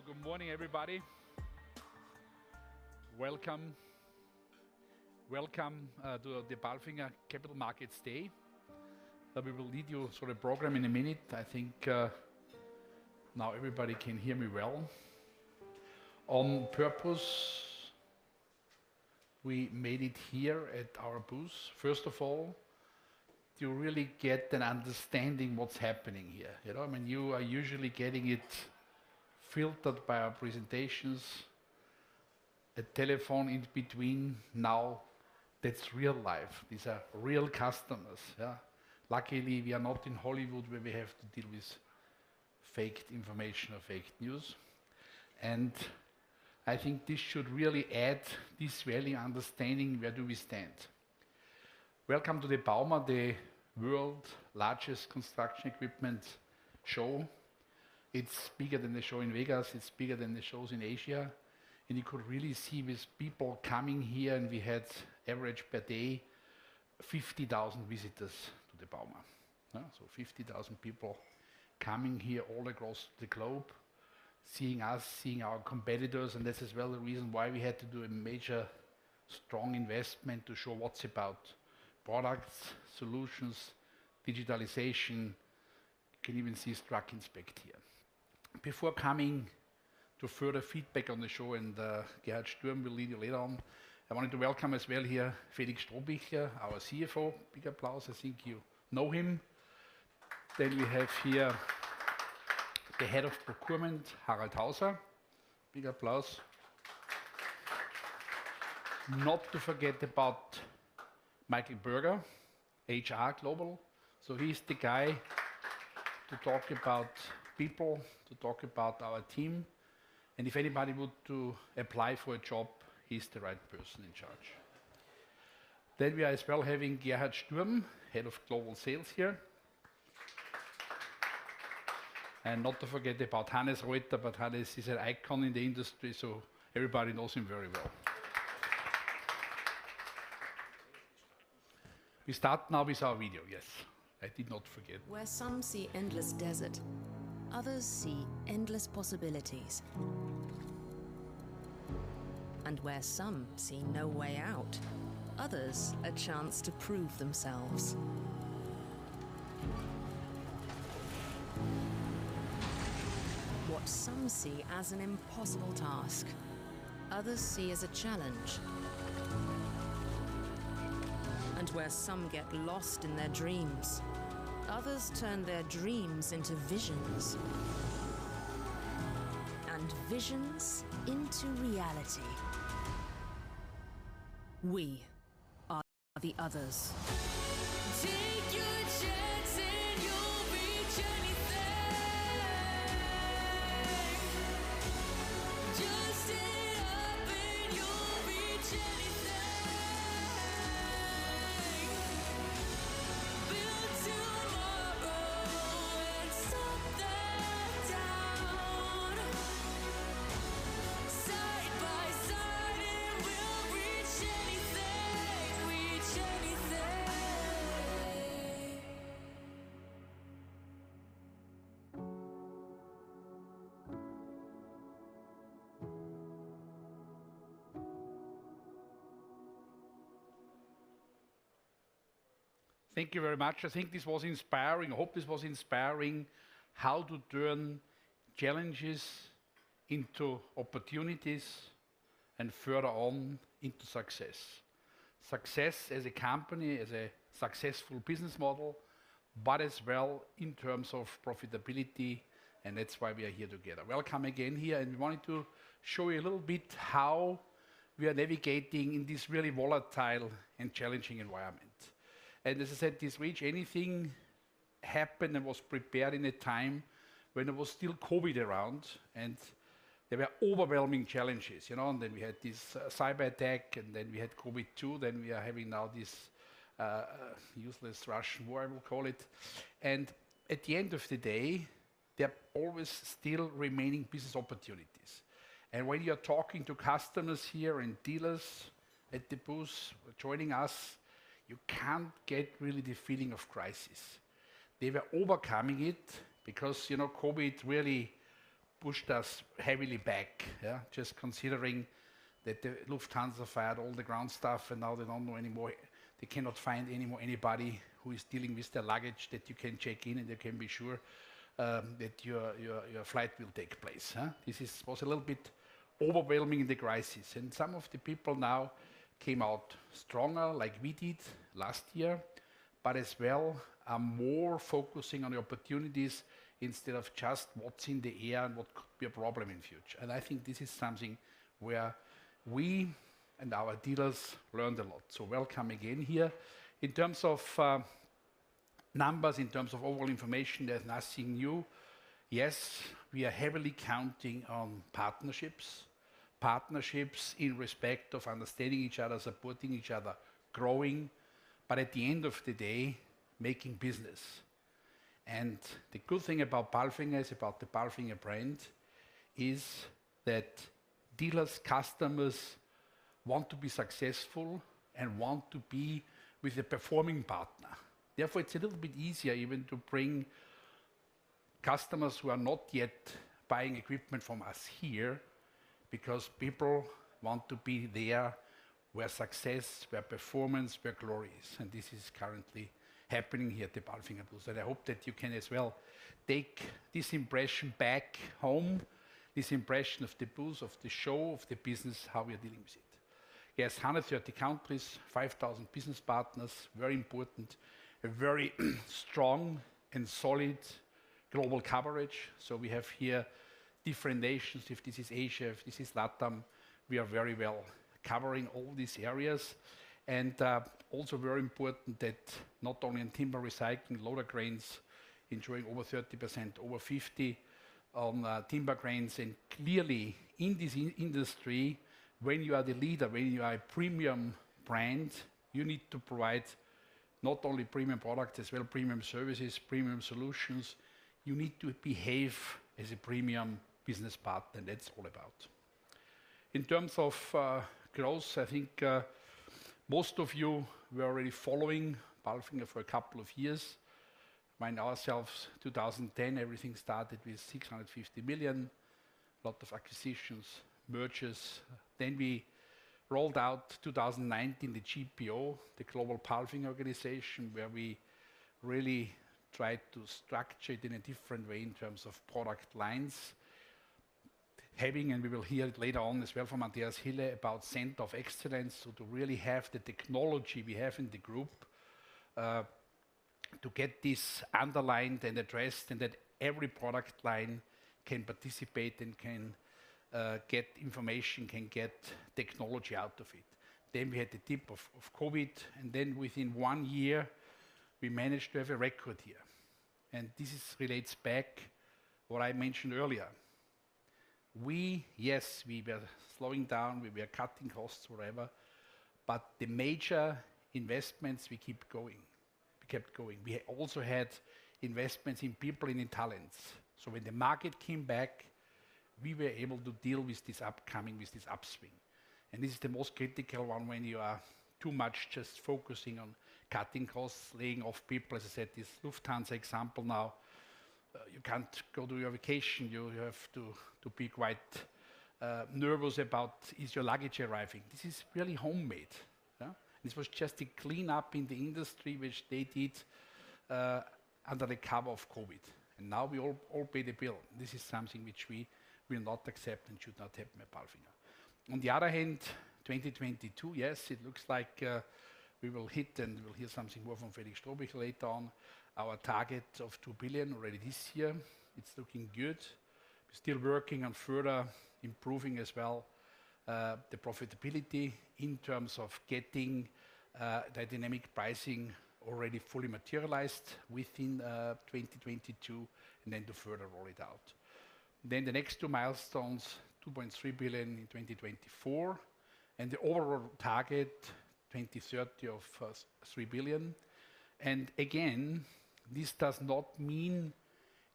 Good morning, everybody. Welcome to the PALFINGER Capital Markets Day. We will lead you through the program in a minute. I think now everybody can hear me well. On purpose, we made it here at our booth. First of all, you really get an understanding what's happening here. You know? I mean, you are usually getting it filtered by our presentations, a telephone in between. Now, that's real life. These are real customers. Yeah? Luckily, we are not in Hollywood where we have to deal with fake information or fake news, and I think this should really add to this real understanding where do we stand. Welcome to the bauma, the world's largest construction equipment show. It's bigger than the show in Vegas. It's bigger than the shows in Asia, and you could really see with people coming here, and we had average per day 50,000 visitors to the bauma. 50,000 people coming here all across the globe, seeing us, seeing our competitors, this is well the reason why we had to do a major strong investment to show what's about products, solutions, digitalization. You can even see Truck Inspect here. Before coming to further feedback on the show, Gerhard Sturm will lead you later on, I wanted to welcome as well here Felix Strohbichler, our CFO. Big applause. I think you know him. We have here the Head of Procurement, Harald Hauser. Big applause. Not to forget about Michael Berger, HR Global. He's the guy to talk about people, to talk about our team. If anybody want to apply for a job, he's the right person in charge. We are as well having Gerhard Sturm, Head of Global Sales here. Not to forget about Hannes Roither, but Hannes is an icon in the industry, so everybody knows him very well. We start now with our video. Yes. I did not forget. Where some see endless desert, others see endless possibilities. Where some see no way out, others, a chance to prove themselves. What some see as an impossible task, others see as a challenge. Where some get lost in their dreams, others turn their dreams into visions, and visions into reality. We are the others. Take your chance and you'll reach anything. Just stay up and you'll reach anything. Build tomorrow and stop the doubt. Side by side and we'll reach anything. Reach anything. Thank you very much. I think this was inspiring. I hope this was inspiring, how to turn challenges into opportunities and further on into success. Success as a company, as a successful business model, but as well in terms of profitability, and that's why we are here together. Welcome again here, and we wanted to show you a little bit how we are navigating in this really volatile and challenging environment. As I said, this Reach Anything happened and was prepared in a time when there was still COVID around, and there were overwhelming challenges. You know, and then we had this cyberattack, and then we had COVID, too. We are having now this useless Russian war, I will call it. At the end of the day, there are always still remaining business opportunities. When you are talking to customers here and dealers at the booth joining us, you can't get really the feeling of crisis. They were overcoming it because, you know, COVID really pushed us heavily back. Yeah. Just considering that the Lufthansa fired all the ground staff, and now they don't know any more. They cannot find any more anybody who is dealing with their luggage that you can check in, and they can be sure that your flight will take place. Huh? This was a little bit overwhelming in the crisis. Some of the people now came out stronger, like we did last year, but as well are more focusing on the opportunities instead of just what's in the air and what could be a problem in future. I think this is something where we and our dealers learned a lot. Welcome again here. In terms of, numbers, in terms of overall information, there's nothing new. Yes, we are heavily counting on partnerships in respect of understanding each other, supporting each other, growing, but at the end of the day, making business. The good thing about PALFINGER is, about the PALFINGER brand, is that dealers, customers want to be successful and want to be with a performing partner. Therefore, it's a little bit easier even to bring customers who are not yet buying equipment from us here, because people want to be there where success, where performance, where glory is. This is currently happening here at the PALFINGER booth. I hope that you can as well take this impression back home, this impression of the booth, of the show, of the business, how we are dealing with it. Yes, 130 countries, 5,000 business partners, very important, a very strong and solid global coverage. We have here different nations. If this is Asia, if this is LATAM, we are very well covering all these areas. Also very important that not only in timber recycling, loader cranes enjoying over 30%, over 50% on timber cranes. Clearly in this industry, when you are the leader, when you are a premium brand, you need to provide not only premium product, as well premium services, premium solutions, you need to behave as a premium business partner, and that's all about. In terms of growth, I think most of you were already following PALFINGER for a couple of years. I know ourselves, 2010, everything started with 650 million. Lot of acquisitions, mergers. We rolled out 2019, the GPO, the Global PALFINGER Organization, where we really tried to structure it in a different way in terms of product lines. Having, and we will hear later on as well from Andreas Hille about center of excellence, so to really have the technology we have in the group, to get this underlined and addressed, and that every product line can participate and can, get information, can get technology out of it. We had the tip of COVID, and then within one year we managed to have a record year. This is relates back what I mentioned earlier. We, yes, we were slowing down, we were cutting costs, whatever, but the major investments, we keep going. We kept going. We also had investments in people and in talents. When the market came back, we were able to deal with this upcoming, with this upswing. This is the most critical one when you are too much just focusing on cutting costs, laying off people. As I said, this Lufthansa example now, you can't go to your vacation. You have to to be quite nervous about is your luggage arriving. This is really homemade. Yeah? This was just a cleanup in the industry which they did under the cover of COVID. Now we all pay the bill, and this is something which we will not accept and should not happen at PALFINGER. On the other hand, 2022, yes, it looks like we will hit, and we'll hear something more from Felix Strohbichler later on, our target of 2 billion already this year. It's looking good. We're still working on further improving as well, the profitability in terms of getting, the dynamic pricing already fully materialized within 2022 and then to further roll it out. The next two milestones, 2.3 billion in 2024, and the overall target, 2030, of 3 billion. This does not mean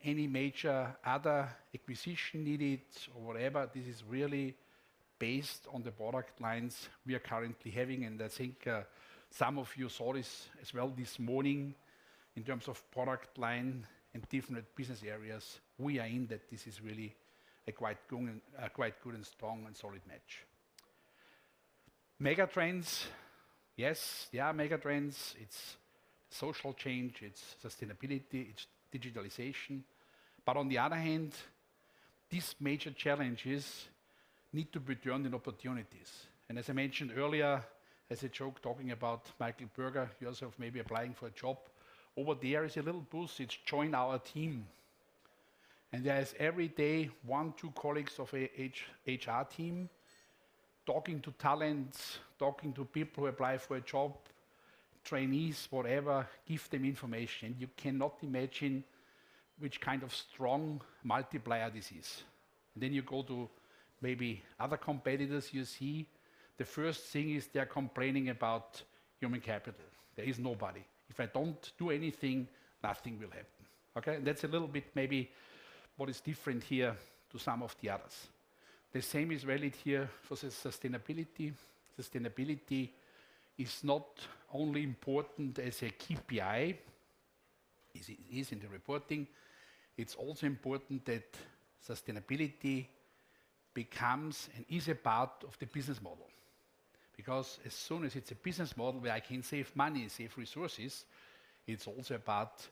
any major other acquisition needed or whatever. This is really based on the product lines we are currently having. I think, some of you saw this as well this morning in terms of product line and different business areas. We are in that this is really a quite good and strong and solid match. Megatrends. Yes, yeah, megatrends, it's social change, it's sustainability, it's digitalization. On the other hand, these major challenges need to be turned into opportunities. As I mentioned earlier, as a joke, talking about Michael Berger yourself maybe applying for a job, over there is a little booth to join our team. There is every day one, two colleagues of an HR team talking to talents, talking to people who apply for a job, trainees, whatever, give them information. You cannot imagine which kind of strong multiplier this is. Then you go to maybe other competitors, you see the first thing is they're complaining about human capital. There is nobody. If I don't do anything, nothing will happen. Okay. That's a little bit maybe what is different here to some of the others. The same is valid here for the sustainability. Sustainability is not only important as a KPI, as it is in the reporting, it's also important that sustainability becomes and is a part of the business model. Because as soon as it's a business model where I can save money and save resources, it's also a part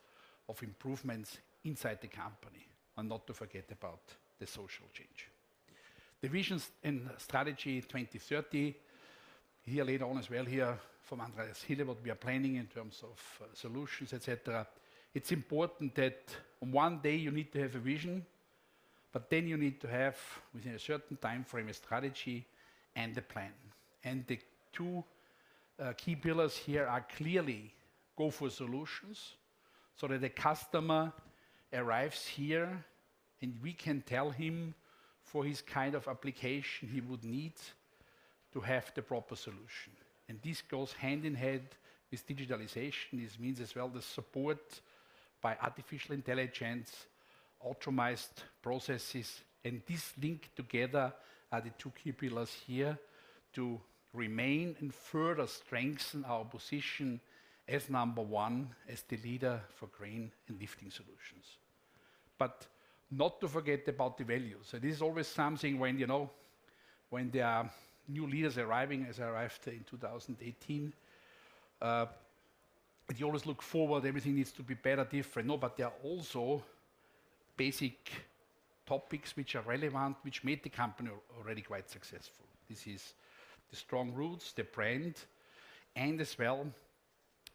of improvements inside the company and not to forget about the social change. The Vision and Strategy 2030, you'll hear later on as well here from Andreas Hille what we are planning in terms of, solutions, et cetera. It's important that one day you need to have a vision, but then you need to have, within a certain timeframe, a strategy and a plan. The two key pillars here are clearly Go for Solutions so that a customer arrives here, and we can tell him for his kind of application, he would need to have the proper solution. This goes hand in hand with digitalization. This means as well the support by artificial intelligence, automated processes. This link together are the two key pillars here to remain and further strengthen our position as number one, as the leader for crane and lifting solutions. Not to forget about the values. This is always something when, you know, when there are new leaders arriving, as I arrived in 2018, you always look forward, everything needs to be better, different. No, but there are also basic topics which are relevant, which made the company already quite successful. This is the strong roots, the brand, and as well,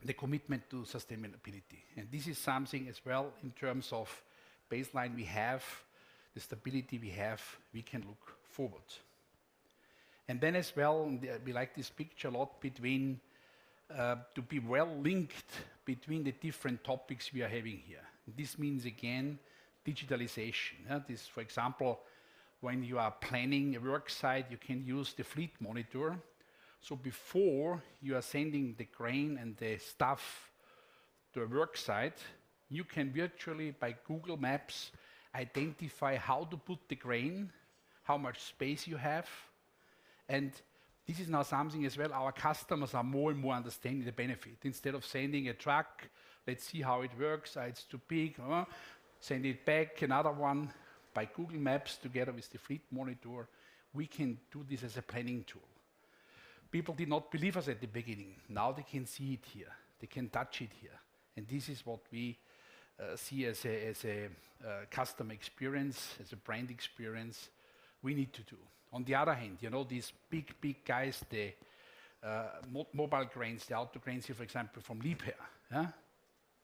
the commitment to sustainability. This is something as well in terms of baseline we have, the stability we have, we can look forward. As well, we like this picture a lot between to be well linked between the different topics we are having here. This means, again, digitalization. This, for example, when you are planning a work site, you can use the Fleet Monitor. Before you are sending the crane and the staff to a work site, you can virtually, by Google Maps, identify how to put the crane, how much space you have. This is now something as well, our customers are more and more understanding the benefit. Instead of sending a truck, let's see how it works. It's too big. Send it back, another one. By Google Maps together with the Fleet Monitor, we can do this as a planning tool. People did not believe us at the beginning. Now they can see it here. They can touch it here. This is what we see as a customer experience, as a brand experience we need to do. On the other hand, you know, these big guys, the mobile cranes, the auto cranes here, for example, from Liebherr. Yeah.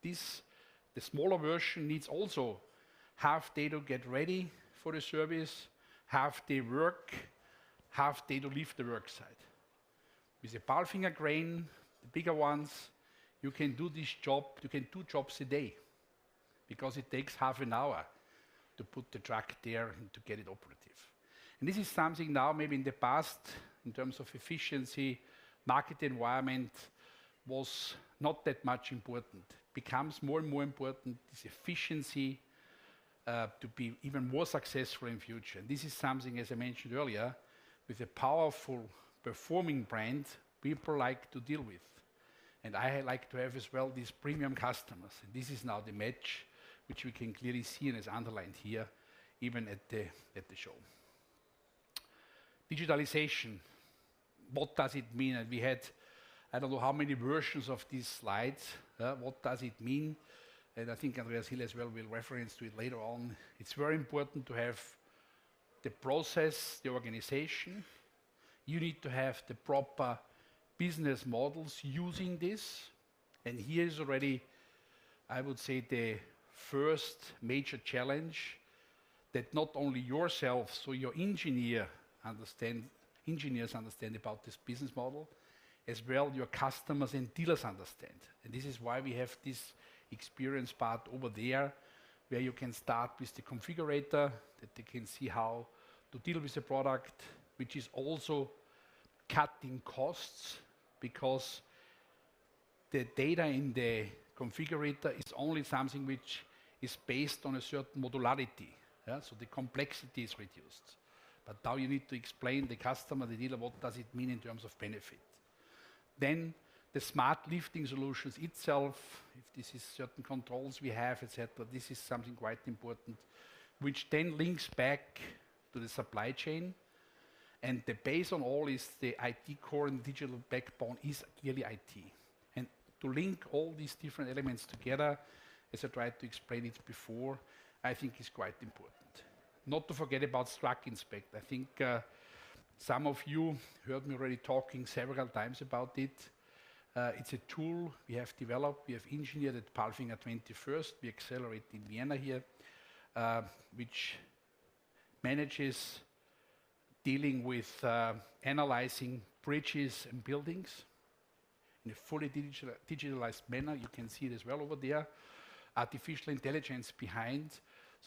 The smaller version needs also half day to get ready for the service, half day work, half day to leave the work site. With a PALFINGER crane, the bigger ones, you can do this job, you can do jobs a day because it takes half an hour to put the truck there and to get it operative. This is something now, maybe in the past, in terms of efficiency, market environment was not that much important. Becomes more and more important, this efficiency, to be even more successful in future. This is something, as I mentioned earlier, with a powerful performing brand people like to deal with. I like to have as well these premium customers. This is now the match which we can clearly see and is underlined here, even at the show. Digitalization, what does it mean? We had, I don't know how many versions of this slide. What does it mean? I think Andreas Hille as well will reference to it later on. It's very important to have the process, the organization. You need to have the proper business models using this. Here is already, I would say, the first major challenge that not only yourself, so your engineers understand about this business model, as well your customers and dealers understand. This is why we have this experience part over there, where you can start with the configurator, that they can see how to deal with the product, which is also cutting costs because the data in the configurator is only something which is based on a certain modularity. Yeah. The complexity is reduced. Now you need to explain the customer, the dealer, what does it mean in terms of benefit? The smart lifting solutions itself, if this is certain controls we have, et cetera, this is something quite important, which then links back to the supply chain. The base on all is the IT core and digital backbone is clearly IT. To link all these different elements together, as I tried to explain it before, I think is quite important. Not to forget about STRUCINSPECT. I think some of you heard me already talking several times about it. It's a tool we have developed, we have engineered at PALFINGER 21st, we have here in Vienna, which manages dealing with analyzing bridges and buildings in a fully digitalized manner. You can see it as well over there. Artificial intelligence behind,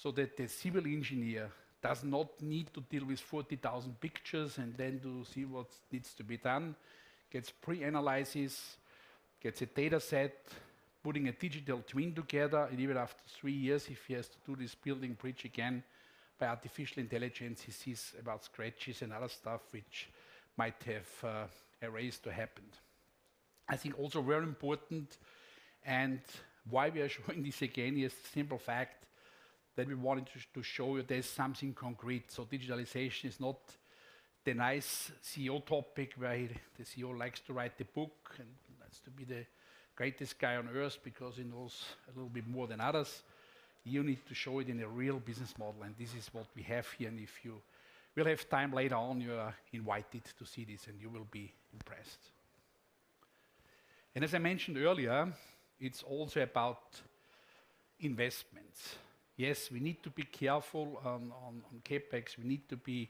so that the civil engineer does not need to deal with 40,000 pictures and then to see what needs to be done. Gets pre-analysis, gets a dataset, putting a digital twin together, and even after three years, if he has to do this building bridge again, by artificial intelligence, he sees about scratches and other stuff which might have erased or happened. I think also very important and why we are showing this again is the simple fact that we wanted to show you there's something concrete. Digitalization is not the nice CEO topic where the CEO likes to write the book and likes to be the greatest guy on Earth because he knows a little bit more than others. You need to show it in a real business model, and this is what we have here. If you will have time later on, you are invited to see this, and you will be impressed. As I mentioned earlier, it's also about investments. Yes, we need to be careful on CapEx. We need to be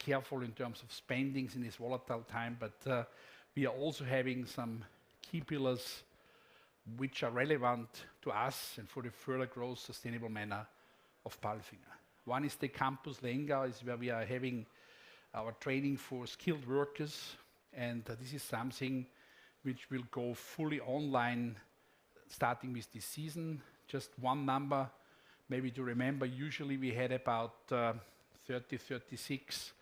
careful in terms of spending in this volatile time, but we are also having some key pillars which are relevant to us and for the further growth, sustainable manner of PALFINGER. One is the PALFINGER Campus Lengau is where we are having our training for skilled workers, and this is something which will go fully online starting with this season. Just one number maybe to remember, usually we had about 30, 36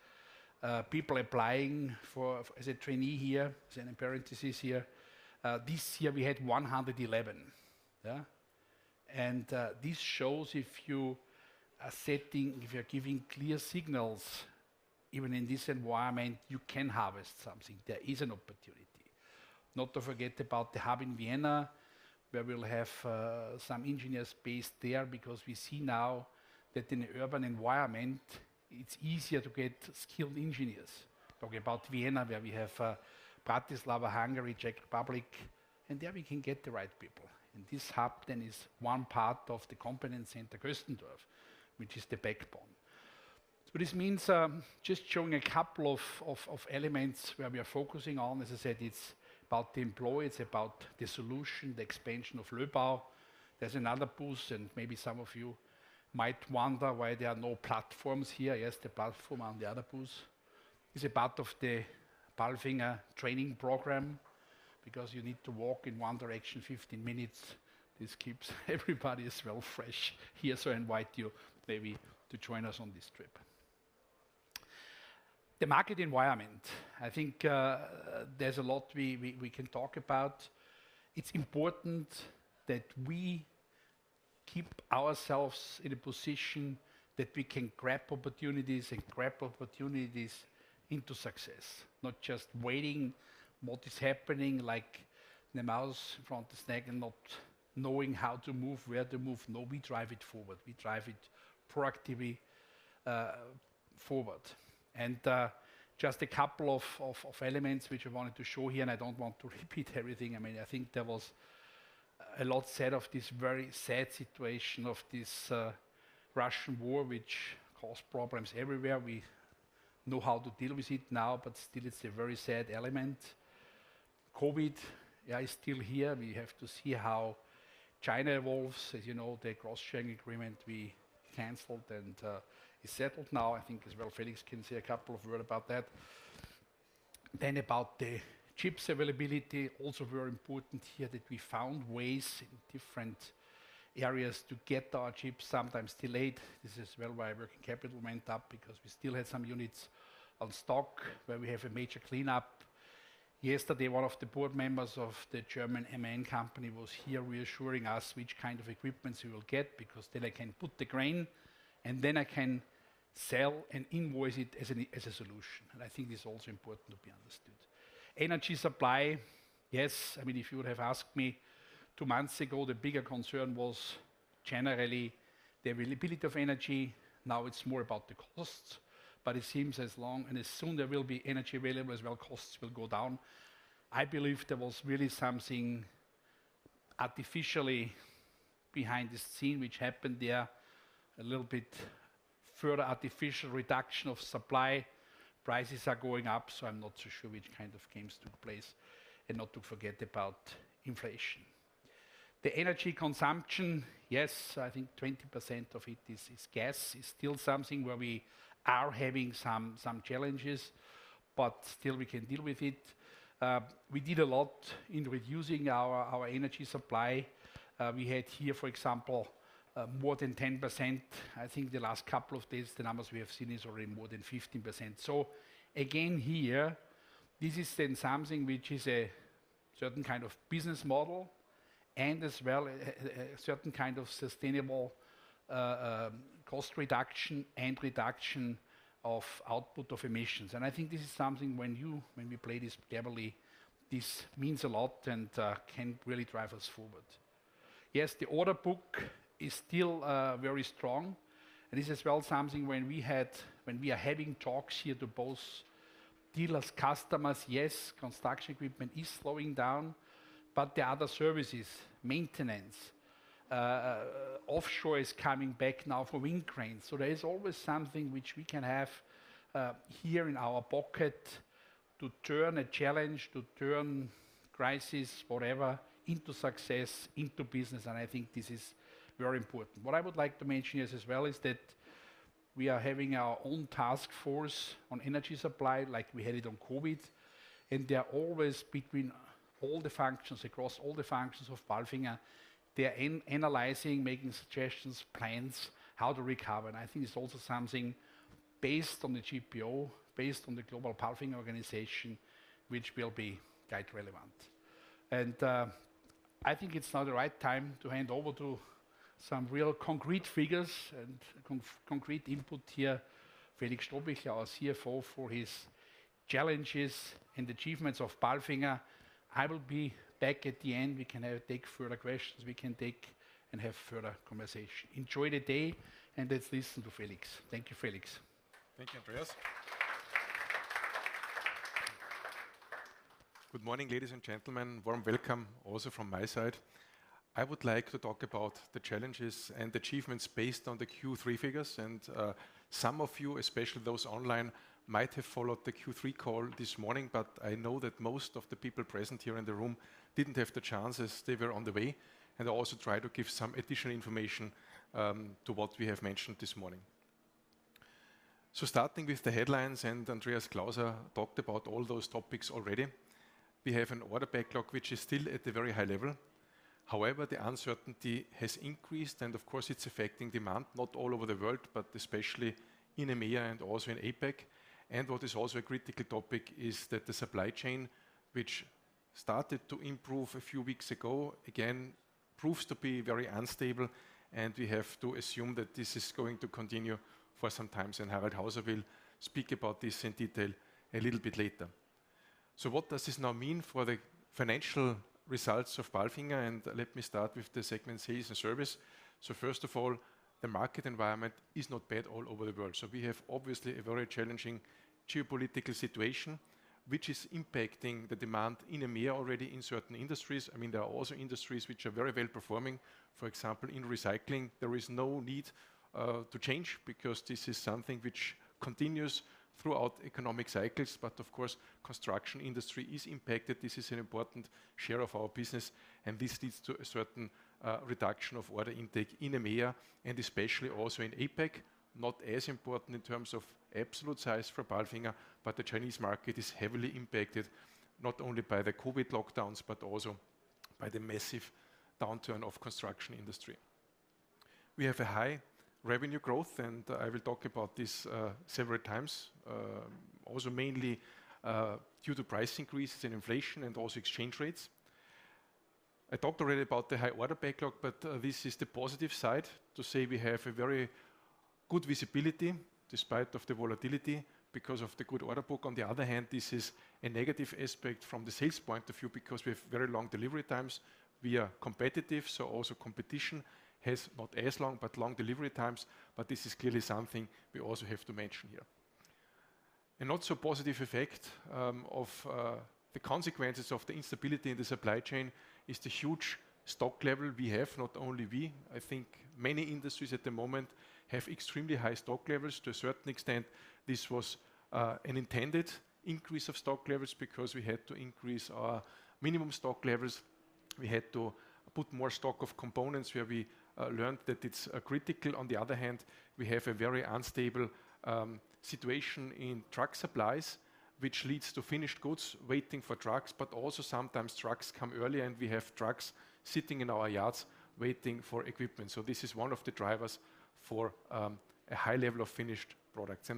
people applying for as a trainee here, and in parentheses here. This year we had 111. This shows if you're giving clear signals, even in this environment, you can harvest something. There is an opportunity. Not to forget about the hub in Vienna, where we'll have some engineers based there because we see now that in the urban environment, it's easier to get skilled engineers. Talking about Vienna, where we have Bratislava, Hungary, Czech Republic, and there we can get the right people. This hub then is one part of the component center, Köstendorf, which is the backbone. This means just showing a couple of elements where we are focusing on. As I said, it's about the employee, it's about the solution, the expansion of Löbau. There's another boost, and maybe some of you might wonder why there are no platforms here. Yes, the platform on the other booth is a part of the PALFINGER training program, because you need to walk in one direction 15 minutes. This keeps everybody as well fresh here, so I invite you maybe to join us on this trip. The market environment, I think, there's a lot we can talk about. It's important that we keep ourselves in a position that we can grab opportunities into success, not just waiting what is happening like the mouse in front of snake and not knowing how to move, where to move. No, we drive it forward. We drive it proactively forward. Just a couple of elements which I wanted to show here, and I don't want to repeat everything. I mean, I think there was a lot said of this very sad situation of this Russian war which caused problems everywhere. We know how to deal with it now, but still it's a very sad element. COVID, yeah, is still here. We have to see how China evolves. As you know, the cross-shareholding agreement we canceled and is settled now. I think as well Felix can say a couple of words about that. Then about the chips availability, also very important here that we found ways in different areas to get our chips, sometimes delayed. This is why working capital went up, because we still had some units in stock where we have a major cleanup. Yesterday, one of the board members of the German MAN company was here reassuring us which kind of equipment we will get, because then I can put the crane, and then I can sell and invoice it as a solution. I think this is also important to be understood. Energy supply, yes, I mean, if you would have asked me two months ago, the bigger concern was generally the availability of energy. Now it's more about the costs, but it seems as long and as soon there will be energy available, as well costs will go down. I believe there was really something artificially behind the scene which happened there, a little bit further artificial reduction of supply. Prices are going up, so I'm not too sure which kind of games took place. Not to forget about inflation. The energy consumption, yes, I think 20% of it is gas. It's still something where we are having some challenges, but still we can deal with it. We did a lot in reducing our energy supply. We had here, for example, more than 10%. I think the last couple of days, the numbers we have seen is already more than 15%. Again, here, this is then something which is a certain kind of business model and as well a certain kind of sustainable, cost reduction and reduction of output of emissions. I think this is something when you, when we play this together, this means a lot and, can really drive us forward. Yes, the order book is still, very strong. This is well something when we are having talks here to both dealers, customers, yes, construction equipment is slowing down, but the other services, maintenance, offshore is coming back now for wind cranes. There is always something which we can have here in our pocket to turn a challenge, to turn crisis, whatever, into success, into business, and I think this is very important. What I would like to mention is as well is that we are having our own task force on energy supply like we had it on COVID, and they are always between all the functions, across all the functions of PALFINGER. They are analyzing, making suggestions, plans, how to recover, and I think it's also something based on the GPO, based on the Global PALFINGER Organization, which will be quite relevant. I think it's now the right time to hand over to some real concrete figures and concrete input here, Felix Strohbichler, our CFO, for his challenges and achievements of PALFINGER. I will be back at the end. We can take further questions, we can take and have further conversation. Enjoy the day, and let's listen to Felix. Thank you, Felix. Thank you, Andreas. Good morning, ladies and gentlemen. Warm welcome also from my side. I would like to talk about the challenges and achievements based on the Q3 figures. Some of you, especially those online, might have followed the Q3 call this morning, but I know that most of the people present here in the room didn't have the chance as they were on the way, and I also try to give some additional information to what we have mentioned this morning. Starting with the headlines, and Andreas Klauser talked about all those topics already. We have an order backlog which is still at a very high level. However, the uncertainty has increased, and of course, it's affecting demand, not all over the world, but especially in EMEA and also in APAC. What is also a critical topic is that the supply chain, which started to improve a few weeks ago, again proves to be very unstable, and we have to assume that this is going to continue for some times, and Harald Hauser will speak about this in detail a little bit later. What does this now mean for the financial results of PALFINGER? Let me start with the segment Sales and Service. First of all, the market environment is not bad all over the world. We have obviously a very challenging geopolitical situation, which is impacting the demand in EMEA already in certain industries. I mean, there are also industries which are very well-performing. For example, in recycling, there is no need to change because this is something which continues throughout economic cycles. Of course, construction industry is impacted. This is an important share of our business, and this leads to a certain reduction of order intake in EMEA and especially also in APAC, not as important in terms of absolute size for PALFINGER, but the Chinese market is heavily impacted, not only by the COVID lockdowns, but also by the massive downturn of construction industry. We have a high revenue growth, and I will talk about this several times. Also mainly due to price increases and inflation and also exchange rates. I talked already about the high order backlog, but this is the positive side to say we have a very good visibility despite of the volatility because of the good order book. On the other hand, this is a negative aspect from the sales point of view because we have very long delivery times. We are competitive, so also competition has not as long, but long delivery times. This is clearly something we also have to mention here. A not so positive effect of the consequences of the instability in the supply chain is the huge stock level we have. Not only we, I think many industries at the moment have extremely high stock levels. To a certain extent, this was an intended increase of stock levels because we had to increase our minimum stock levels. We had to put more stock of components where we learned that it's critical. On the other hand, we have a very unstable situation in truck supplies, which leads to finished goods waiting for trucks. Also sometimes trucks come early, and we have trucks sitting in our yards waiting for equipment. This is one of the drivers for a high level of finished products.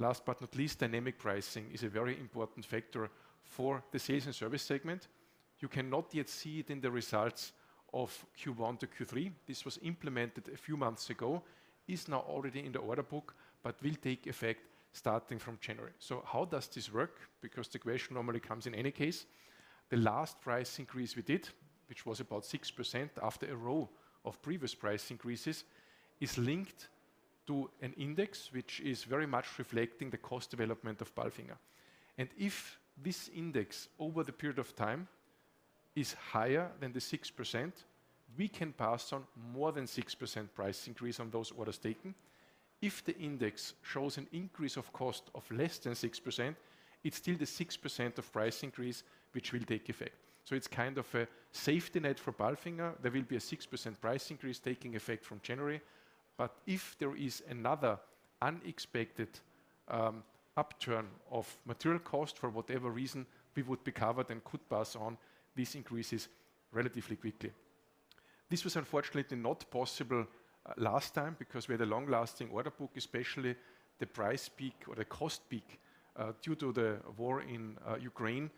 Last but not least, dynamic pricing is a very important factor for the Sales and Service segment. You cannot yet see it in the results of Q1 to Q3. This was implemented a few months ago. It's now already in the order book, but will take effect starting from January. How does this work? Because the question normally comes in any case. The last price increase we did, which was about 6% after a row of previous price increases, is linked to an index which is very much reflecting the cost development of PALFINGER. If this index over the period of time is higher than the 6%, we can pass on more than 6% price increase on those orders taken. If the index shows an increase of cost of less than 6%, it's still the 6% of price increase which will take effect. It's kind of a safety net for PALFINGER. There will be a 6% price increase taking effect from January. If there is another unexpected upturn of material cost for whatever reason, we would be covered and could pass on these increases relatively quickly. This was unfortunately not possible last time because we had a long-lasting order book, especially the price peak or the cost peak due to the war in Ukraine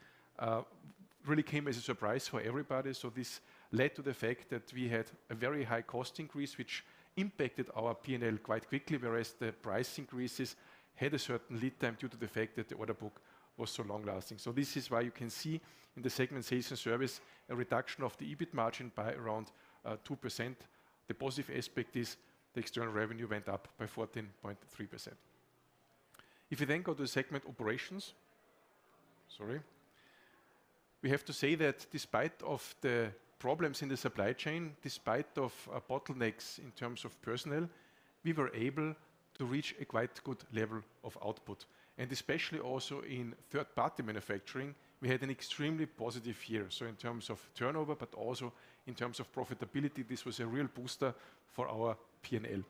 really came as a surprise for everybody. This led to the fact that we had a very high cost increase, which impacted our P&L quite quickly, whereas the price increases had a certain lead time due to the fact that the order book was so long-lasting. This is why you can see in the segment Sales and Service a reduction of the EBIT margin by around 2%. The positive aspect is the external revenue went up by 14.3%. If you then go to segment Operations. We have to say that despite of the problems in the supply chain, despite of bottlenecks in terms of personnel, we were able to reach a quite good level of output, and especially also in third-party manufacturing, we had an extremely positive year. In terms of turnover, but also in terms of profitability, this was a real booster for our P&L.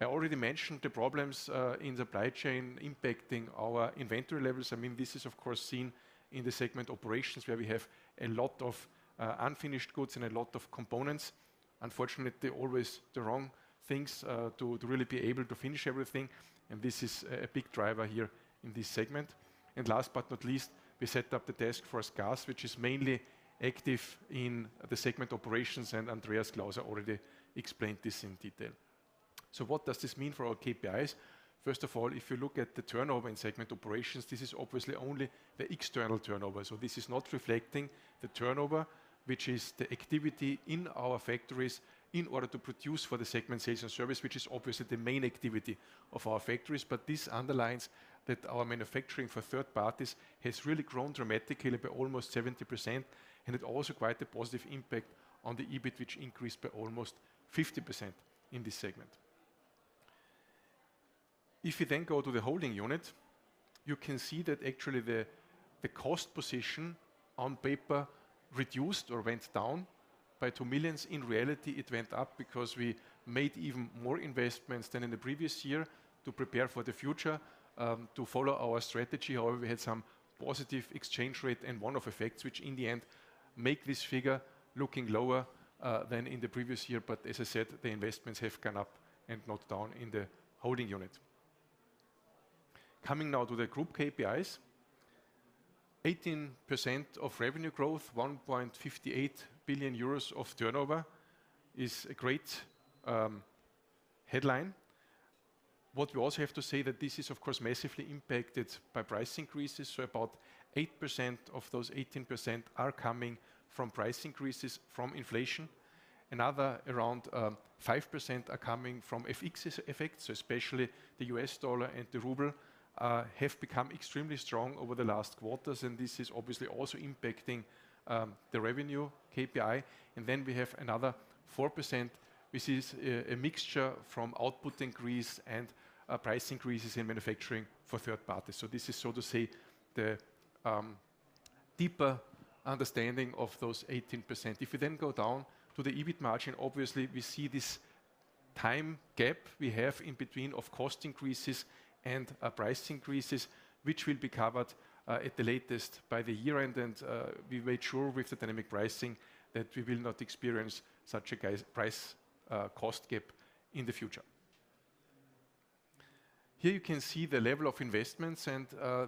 I already mentioned the problems in supply chain impacting our inventory levels. I mean, this is of course seen in the segment Operations, where we have a lot of unfinished goods and a lot of components. Unfortunately, always the wrong things to really be able to finish everything, and this is a big driver here in this segment. Last but not least, we set up the task force GAS, which is mainly active in the segment Operations, and Andreas Klauser already explained this in detail. What does this mean for our KPIs? First of all, if you look at the turnover in segment Operations, this is obviously only the external turnover. This is not reflecting the turnover, which is the activity in our factories in order to produce for the segment Sales and Service, which is obviously the main activity of our factories. This underlines that our manufacturing for third parties has really grown dramatically by almost 70%, and it also had quite a positive impact on the EBIT, which increased by almost 50% in this segment. If you then go to the holding unit, you can see that actually the cost position on paper reduced or went down by 2 million. In reality, it went up because we made even more investments than in the previous year to prepare for the future, to follow our strategy. However, we had some positive exchange rate and one-off effects which in the end make this figure looking lower, than in the previous year. As I said, the investments have gone up and not down in the holding unit. Coming now to the group KPIs. 18% of revenue growth, 1.58 billion euros of turnover is a great headline. What you also have to say that this is, of course, massively impacted by price increases, so about 8% of those 18% are coming from price increases from inflation. Another around five percent are coming from FX effects, especially the U.S. dollar and the ruble have become extremely strong over the last quarters, and this is obviously also impacting the revenue KPI. Then we have another 4% which is a mixture from output increase and price increases in manufacturing for third parties. This is so to say the deeper understanding of those 18%. If you then go down to the EBIT margin, obviously we see this time gap we have in between of cost increases and price increases, which will be covered at the latest by the year-end. We made sure with the dynamic pricing that we will not experience such a price-cost gap in the future. Here you can see the level of investments, and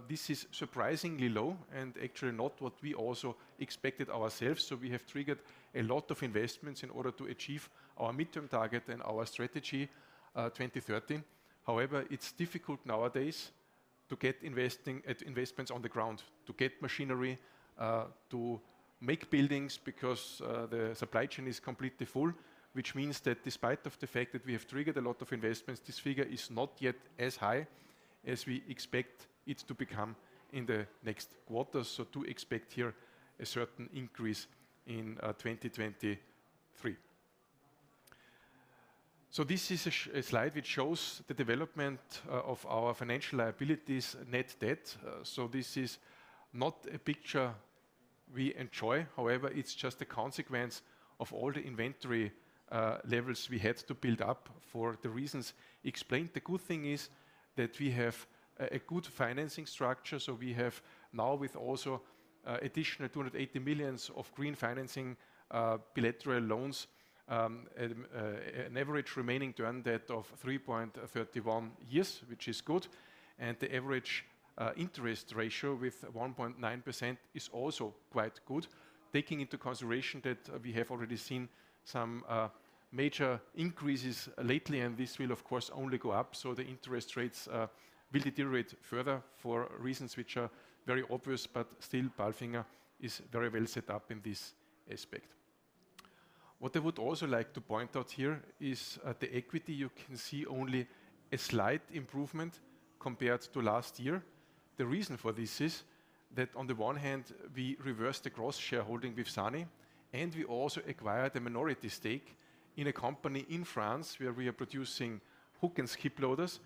this is surprisingly low and actually not what we also expected ourselves, so we have triggered a lot of investments in order to achieve our midterm target and our Strategy 2030. However, it's difficult nowadays to get investments on the ground, to get machinery to make buildings because the supply chain is completely full. Which means that despite of the fact that we have triggered a lot of investments, this figure is not yet as high as we expect it to become in the next quarter. Do expect here a certain increase in 2023. This is a slide which shows the development of our financial liabilities net debt. This is not a picture we enjoy. However, it's just a consequence of all the inventory levels we had to build up for the reasons explained. The good thing is that we have a good financing structure, so we have now with also additional 280 million of green financing bilateral loans at an average remaining term debt of 3.31 years, which is good. The average interest rate with 1.9% is also quite good, taking into consideration that we have already seen some major increases lately, and this will of course only go up, so the interest rates will deteriorate further for reasons which are very obvious, but still PALFINGER is very well set up in this aspect. What I would also like to point out here is the equity, you can see only a slight improvement compared to last year. The reason for this is that on the one hand, we reversed the cross-shareholding with SANY, and we also acquired a minority stake in a company in France where we are producing hookloaders and skiploaders.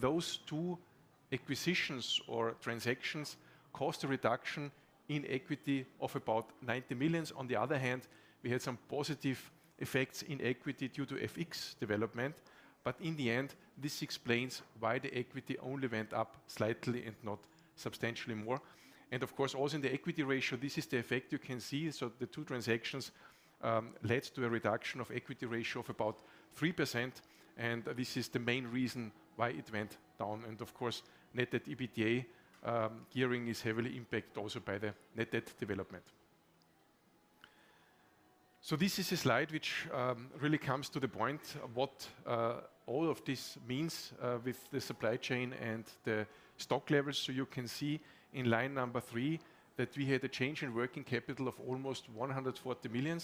Those two acquisitions or transactions cost a reduction in equity of about 90 million. On the other hand, we had some positive effects in equity due to FX development. In the end, this explains why the equity only went up slightly and not substantially more. Of course, also in the equity ratio, this is the effect you can see. The two transactions led to a reduction of equity ratio of about 3%, and this is the main reason why it went down. Of course, net debt/EBITDA gearing is heavily impacted also by the net debt development. This is a slide which really comes to the point of what all of this means with the supply chain and the stock levels. You can see in line number three that we had a change in working capital of almost 140 million,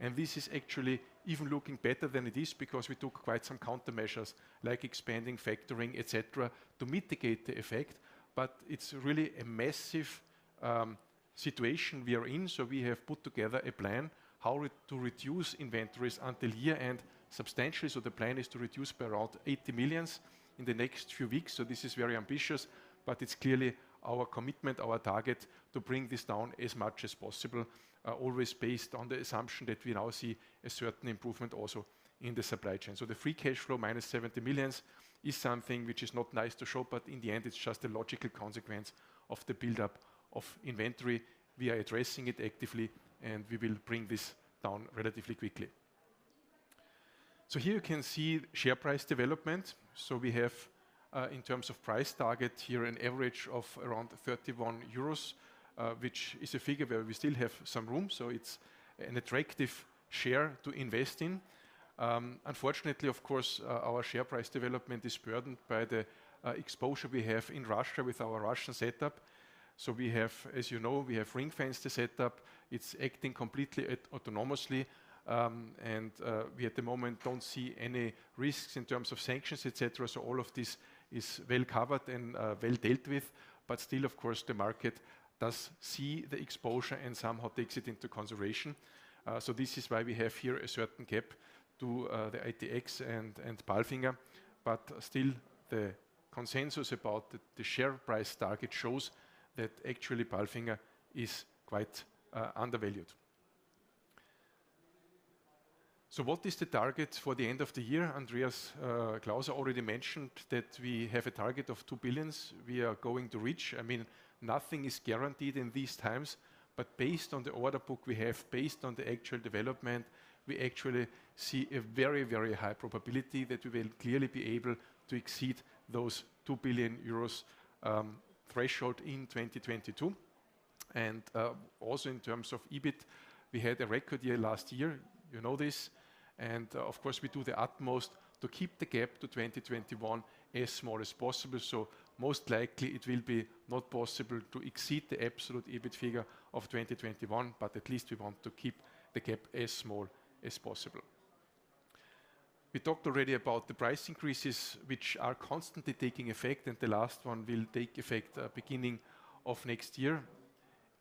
and this is actually even looking better than it is because we took quite some countermeasures, like expanding, factoring, et cetera, to mitigate the effect. It's really a massive situation we are in. We have put together a plan how we're to reduce inventories until year-end substantially. The plan is to reduce by around 80 million in the next few weeks. This is very ambitious, but it's clearly our commitment, our target to bring this down as much as possible, always based on the assumption that we now see a certain improvement also in the supply chain. The free cash flow -70 million is something which is not nice to show, but in the end it's just a logical consequence of the buildup of inventory. We are addressing it actively, and we will bring this down relatively quickly. Here you can see share price development. We have, in terms of price target here an average of around 31 euros, which is a figure where we still have some room, so it's an attractive share to invest in. Unfortunately, of course, our share price development is burdened by the exposure we have in Russia with our Russian setup. We have, as you know, we have ring-fenced the setup. It's acting completely autonomously, and we at the moment don't see any risks in terms of sanctions, et cetera. All of this is well covered and well dealt with. Still, of course, the market does see the exposure and somehow takes it into consideration. This is why we have here a certain gap to the ATX and PALFINGER, but still the consensus about the share price target shows that actually PALFINGER is quite undervalued. What is the target for the end of the year? Andreas Klauser already mentioned that we have a target of 2 billion we are going to reach. I mean, nothing is guaranteed in these times, but based on the order book we have, based on the actual development, we actually see a very, very high probability that we will clearly be able to exceed those 2 billion euros threshold in 2022. Also in terms of EBIT, we had a record year last year, you know this. Of course, we do the utmost to keep the gap to 2021 as small as possible, so most likely it will be not possible to exceed the absolute EBIT figure of 2021, but at least we want to keep the gap as small as possible. We talked already about the price increases, which are constantly taking effect, and the last one will take effect beginning of next year.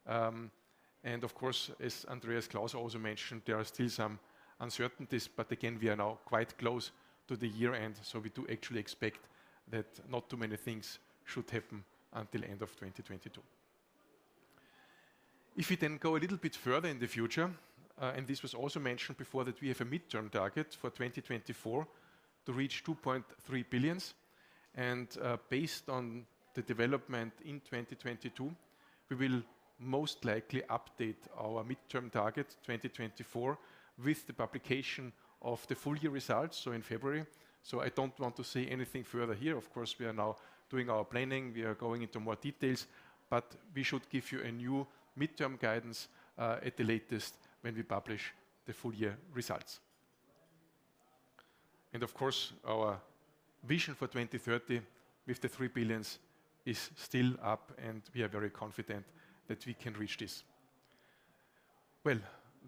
Of course, as Andreas Klauser also mentioned, there are still some uncertainties, but again, we are now quite close to the year-end, so we do actually expect that not too many things should happen until end of 2022. If we then go a little bit further in the future, and this was also mentioned before, that we have a midterm target for 2024 to reach 2.3 billion. Based on the development in 2022, we will most likely update our midterm target, 2024, with the publication of the full year results, so in February. I don't want to say anything further here. Of course, we are now doing our planning. We are going into more details, but we should give you a new midterm guidance, at the latest when we publish the full year results. Of course, our vision for 2030 with the 3 billion is still up, and we are very confident that we can reach this. Well,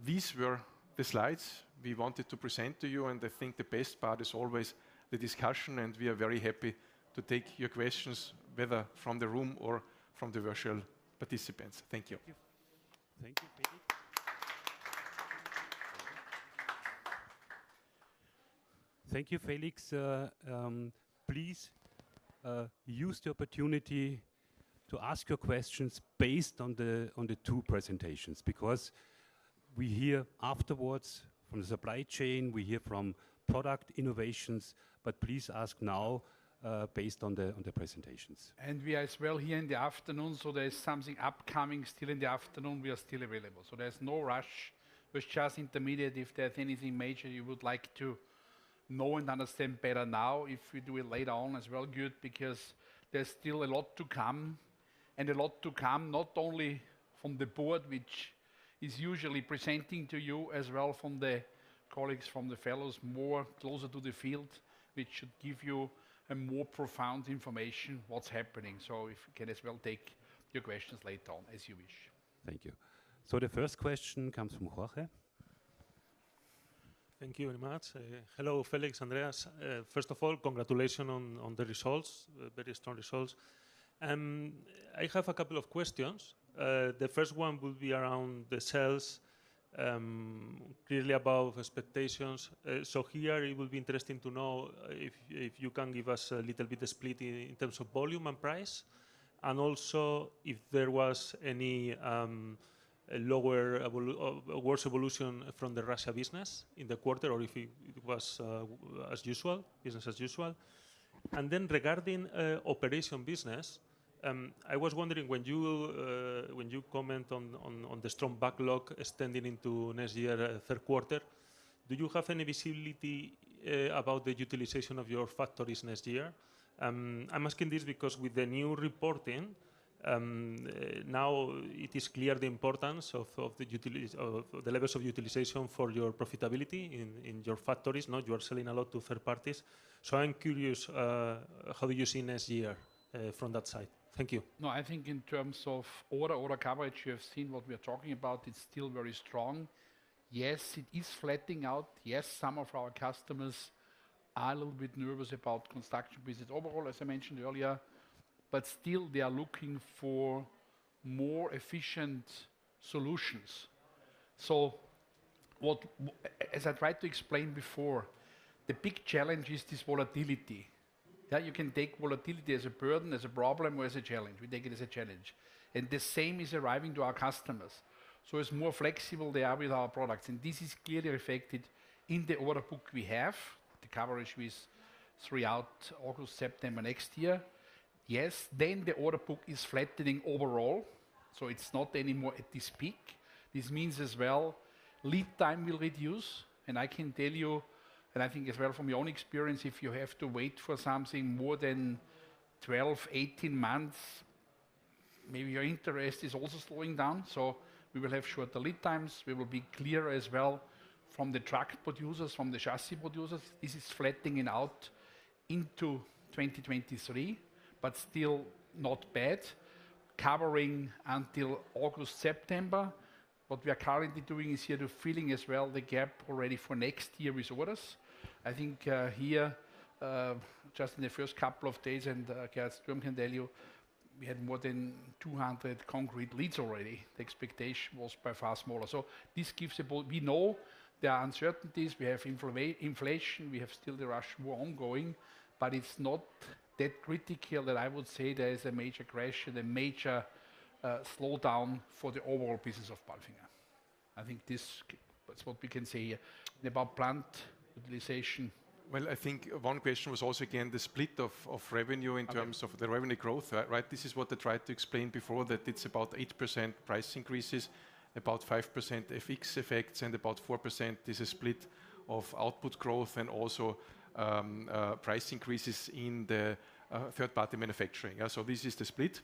these were the slides we wanted to present to you, and I think the best part is always the discussion, and we are very happy to take your questions, whether from the room or from the virtual participants. Thank you. Thank you. Thank you, Felix. Please use the opportunity to ask your questions based on the two presentations, because we hear afterwards from the supply chain. We hear from product innovations, but please ask now based on the presentations. We are as well here in the afternoon, so there is something upcoming still in the afternoon, we are still available. There's no rush. It's just intermediate, if there's anything major you would like to know and understand better now. If we do it later on as well, good, because there's still a lot to come, and a lot to come not only from the board, which is usually presenting to you, as well from the colleagues, from the fellows, more closer to the field, which should give you a more profound information what's happening. We can as well take your questions later on as you wish. Thank you. The first question comes from Jorge. Thank you very much. Hello, Felix, Andreas. First of all, congratulations on the results, very strong results. I have a couple of questions. The first one will be around the sales, clearly above expectations. Here it will be interesting to know if you can give us a little bit of split in terms of volume and price. Also if there was any worse evolution from the Russia business in the quarter, or if it was as usual, business as usual. Then regarding operation business, I was wondering when you comment on the strong backlog extending into next year, third quarter, do you have any visibility about the utilization of your factories next year? I'm asking this because with the new reporting, now it is clear the importance of the levels of utilization for your profitability in your factories. Now you are selling a lot to third parties. I am curious how you see next year from that side. Thank you. No, I think in terms of order coverage, you have seen what we are talking about. It's still very strong. Yes, it is flattening out. Yes, some of our customers are a little bit nervous about construction business overall, as I mentioned earlier, but still they are looking for more efficient solutions. As I tried to explain before, the big challenge is this volatility. That you can take volatility as a burden, as a problem, or as a challenge. We take it as a challenge. The same is applying to our customers. They are more flexible with our products, and this is clearly reflected in the order book we have. The coverage throughout August, September next year. Yes, then the order book is flattening overall. It's not anymore at this peak. This means as well, lead time will reduce, and I can tell you, and I think as well from your own experience, if you have to wait for something more than 12, 18 months, maybe your interest is also slowing down. We will have shorter lead times. We will hear as well from the truck producers, from the chassis producers, this is flattening it out into 2023, but still not bad, covering until August, September. What we are currently doing is here, too, filling as well the gap already for next year with orders. I think, here, just in the first couple of days, and Kerstin can tell you, we had more than 200 concrete leads already. The expectation was by far smaller. This gives. We know there are uncertainties. We have inflation, we have still the Russian war ongoing, but it's not that critical that I would say there is a major crash and a major slowdown for the overall business of PALFINGER. I think this is what we can say. About plant utilization. Well, I think one question was also, again, the split of revenue in terms- I mean.... of the revenue growth, right? This is what I tried to explain before, that it's about 8% price increases, about 5% FX effects, and about 4% is a split of output growth and also price increases in the third-party manufacturing. Yeah, so this is the split.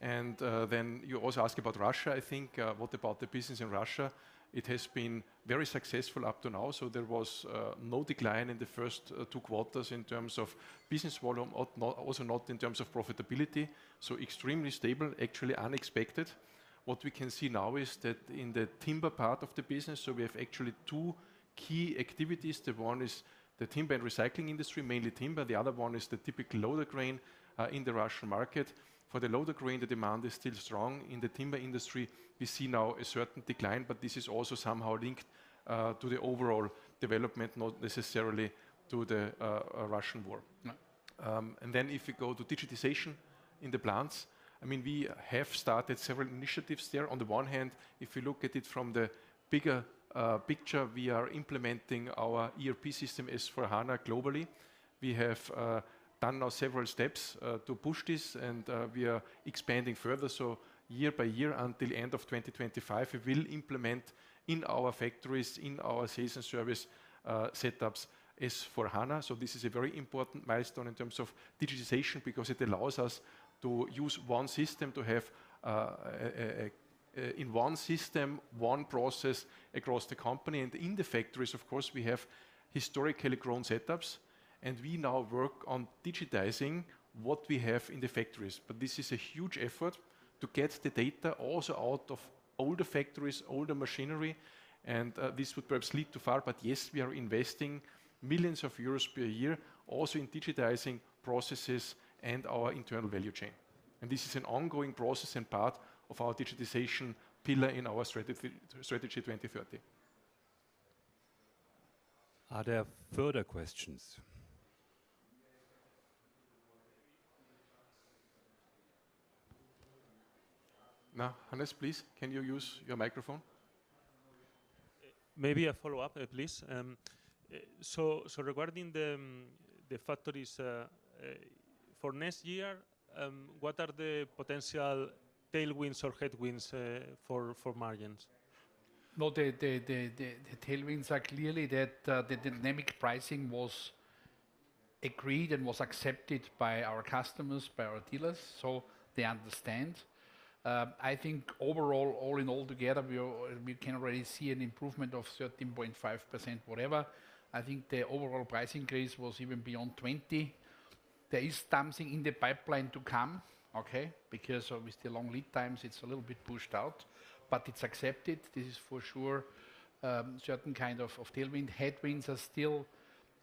Then you also ask about Russia, I think. What about the business in Russia? It has been very successful up to now, so there was no decline in the first two quarters in terms of business volume, also not in terms of profitability. So extremely stable, actually unexpected. What we can see now is that in the timber part of the business, so we have actually two key activities. The one is the timber and recycling industry, mainly timber. The other one is the typical loader crane in the Russian market. For the loader crane, the demand is still strong. In the timber industry, we see now a certain decline, but this is also somehow linked to the overall development, not necessarily to the Russian war. No. If you go to digitization in the plants, I mean, we have started several initiatives there. On the one hand, if you look at it from the bigger picture, we are implementing our ERP system, S/4HANA, globally. We have done now several steps to push this and we are expanding further. Year-by-year until end of 2025, we will implement in our factories, in our sales and service setups, S/4HANA. This is a very important milestone in terms of digitization because it allows us to use one system to have a in one system, one process across the company. In the factories, of course, we have historically grown setups, and we now work on digitizing what we have in the factories. This is a huge effort to get the data also out of older factories, older machinery, and this would perhaps lead too far. Yes, we are investing millions of EUR per year also in digitizing processes and our internal value chain. This is an ongoing process and part of our digitization pillar in our Strategy 2030. Are there further questions? Now, Hannes, please, can you use your microphone? Maybe a follow-up, please. Regarding the factories for next year, what are the potential tailwinds or headwinds for margins? Well, the tailwinds are clearly that the dynamic pricing was agreed and was accepted by our customers, by our dealers, so they understand. I think overall, all in all together, we can already see an improvement of 13.5% whatever. I think the overall price increase was even beyond 20%. There is something in the pipeline to come, okay? Because obviously long lead times, it is a little bit pushed out, but it is accepted. This is for sure, certain kind of tailwind. Headwinds are still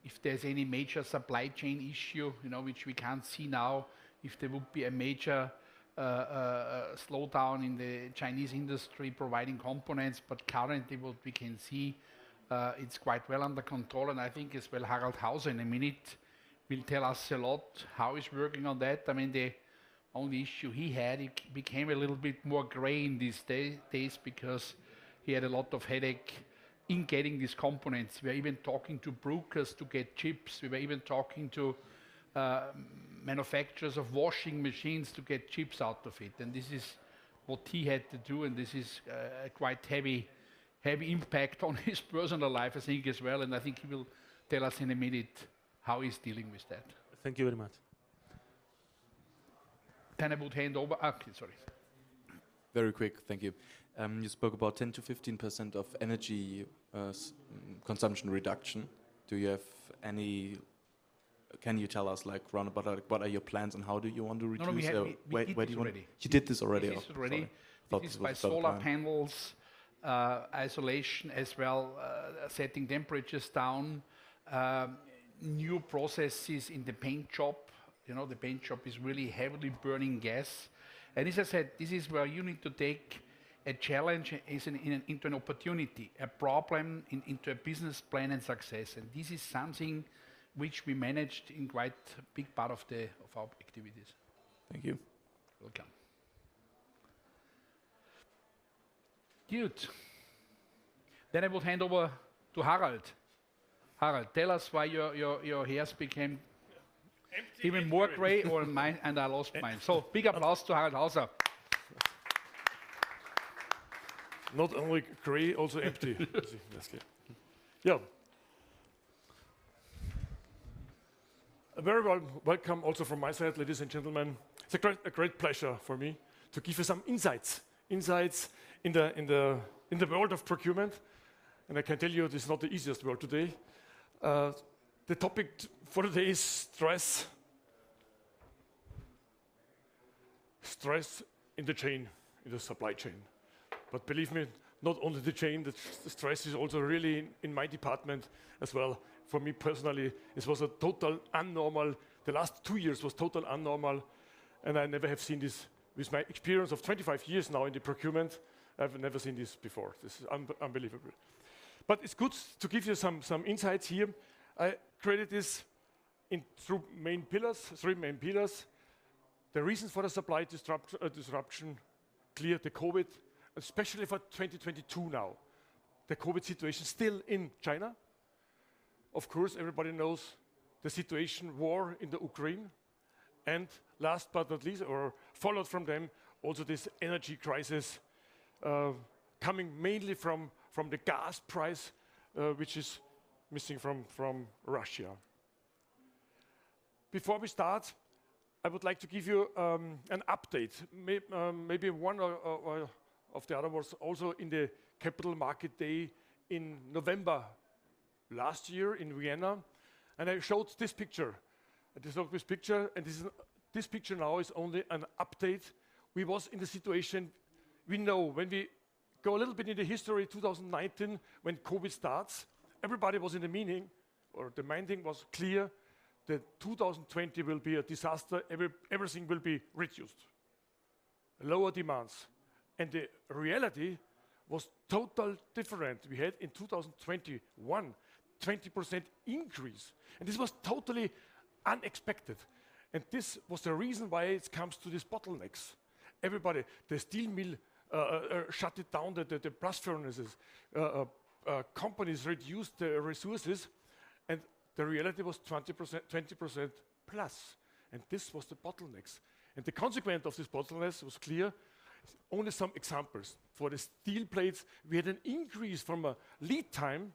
if there is any major supply chain issue, you know, which we cannot see now, if there would be a major slowdown in the Chinese industry providing components. Currently what we can see, it is quite well under control. I think as well, Harald Hauser in a minute will tell us a lot how he's working on that. I mean, the only issue he had, it became a little bit more gray in these days because he had a lot of headache in getting these components. We're even talking to brokers to get chips. We were even talking to manufacturers of washing machines to get chips out of it. This is what he had to do, and this is a quite heavy impact on his personal life, I think, as well. I think he will tell us in a minute how he's dealing with that. Thank you very much. Okay, sorry. Very quick. Thank you. You spoke about 10%-15% of energy consumption reduction. Do you have any? Can you tell us, like, around about, like, what are your plans and how do you want to reduce the- No, we have. Wait. We did this already. You did this already? We did this already. Oh, sorry. This is by solar panels, isolation as well, setting temperatures down, new processes in the paint shop. You know, the paint shop is really heavily burning gas. As I said, this is where you need to take a challenge into an opportunity, a problem into a business plan and success. This is something which we managed in quite a big part of our activities. Thank you. Welcome. Good. I will hand over to Harald. Harald, tell us why your hairs became. Empty. Even more gray hair, and I lost mine. Big applause to Harald Hauser. Not only gray, also empty. That's it. Yeah. A very warm welcome also from my side, ladies and gentlemen. It's a great pleasure for me to give you some insights in the world of procurement. I can tell you, this is not the easiest world today. The topic for today is stress in the chain, in the supply chain. Believe me, now not only the chain, the stress is also really in my department as well. For me personally, this was a total abnormal. The last two years was total abnormal, and I never have seen this with my experience of 25 years now in the procurement. I've never seen this before. This is unbelievable. It's good to give you some insights here. I created this into three main pillars, three main pillars. The reasons for the supply disruption clearly the COVID, especially for 2022 now. The COVID situation still in China. Of course, everybody knows the situation, war in Ukraine. Last but not least, or followed from them, also this energy crisis, coming mainly from the gas price, which is missing from Russia. Before we start, I would like to give you an update. Maybe one or other was also in the Capital Markets Day in November last year in Vienna, and I showed this picture. This was this picture, and this is this picture now is only an update. We was in the situation. We know when we go a little bit into history, 2019 when COVID starts, everybody was of the mind, or the main thing was clear that 2020 will be a disaster. Everything will be reduced. Lower demands. The reality was totally different. We had in 2021, 20% increase, and this was totally unexpected. This was the reason why it came to these bottlenecks. Everybody, the steel mills shut it down, the blast furnaces. Companies reduced their resources, and the reality was 20%, 20% plus, and this was the bottlenecks. The consequence of these bottlenecks was clear. Only some examples. For the steel plates, we had an increase in lead time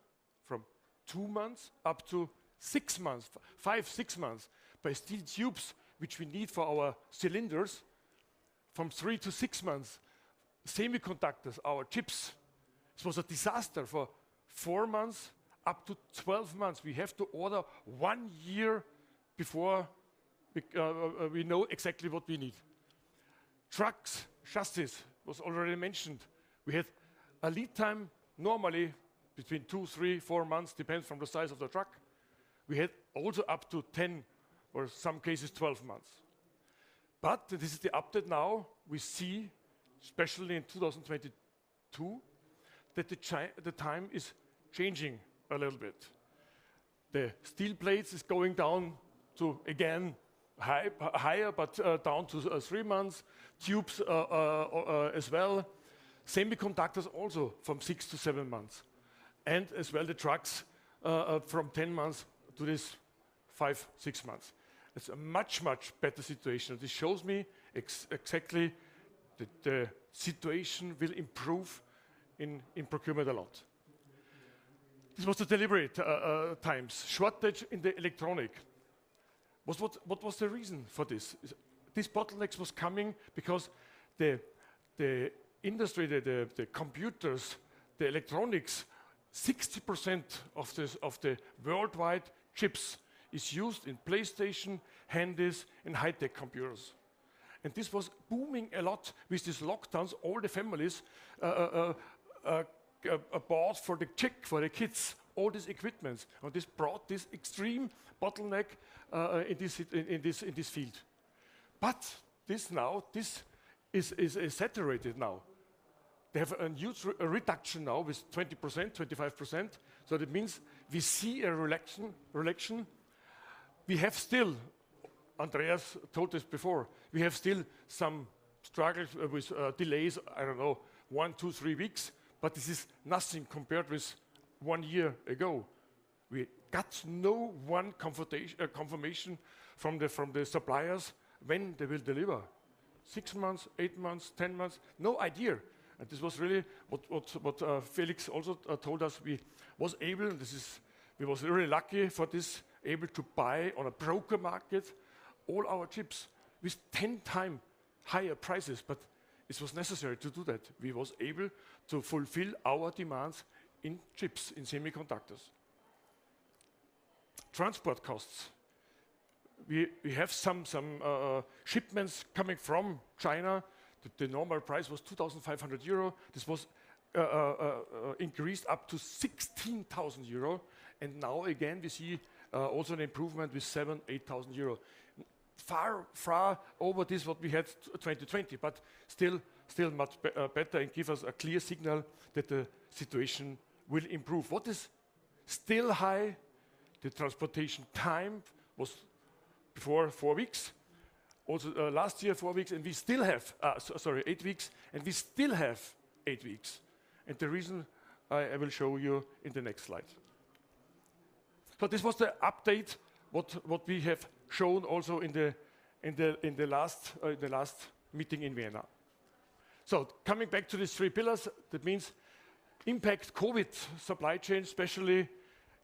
from two months up to six months, five-six months. Steel tubes, which we need for our cylinders, from three-six months. Semiconductors, our chips, this was a disaster. For four to 12 months, we have to order one year before we know exactly what we need. Trucks, chassis was already mentioned. We had a lead time normally between two-four months, depends from the size of the truck. We had also up to 10 or some cases 12 months. This is the update now. We see, especially in 2022, that the time is changing a little bit. The steel plates is going down to again, high, higher, but down to three months. Tubes as well. Semiconductors also from six-seven months. And as well the trucks from 10 months to five-six months. It's a much better situation. This shows me exactly that the situation will improve in procurement a lot. This was the delivery times shortage in the electronics. What was the reason for this? These bottlenecks was coming because the industry, the computers, the electronics, 60% of the worldwide chips is used in PlayStation, handies and high tech computers. This was booming a lot with these lockdowns. All the families bought for the kids, all this equipment. This brought this extreme bottleneck in this field. This is saturated now. They have a huge reduction now with 20%, 25%. So that means we see a reduction. We have still, Andreas told us before, we have still some struggles with delays, I don't know, one, two, three weeks, but this is nothing compared with one year ago. We got no confirmation from the suppliers when they will deliver. Six months, eight months, 10 months, no idea. This was really what Felix also told us. We was really lucky for this, able to buy on a broker market all our chips with ten times higher prices, but this was necessary to do that. We was able to fulfill our demands in chips, in semiconductors. Transport costs. We have some shipments coming from China. The normal price was 2,500 euro. This was increased up to 16,000 euro. Now again, we see also an improvement with 7,000-8,000 euro. Far over what we had in 2020, but still much better and give us a clear signal that the situation will improve. What is still high, the transportation time was before four weeks. Last year, four weeks, and we still have eight weeks. The reason I will show you in the next slide. This was the update, what we have shown also in the last meeting in Vienna. Coming back to these three pillars, that means impact COVID supply chain, especially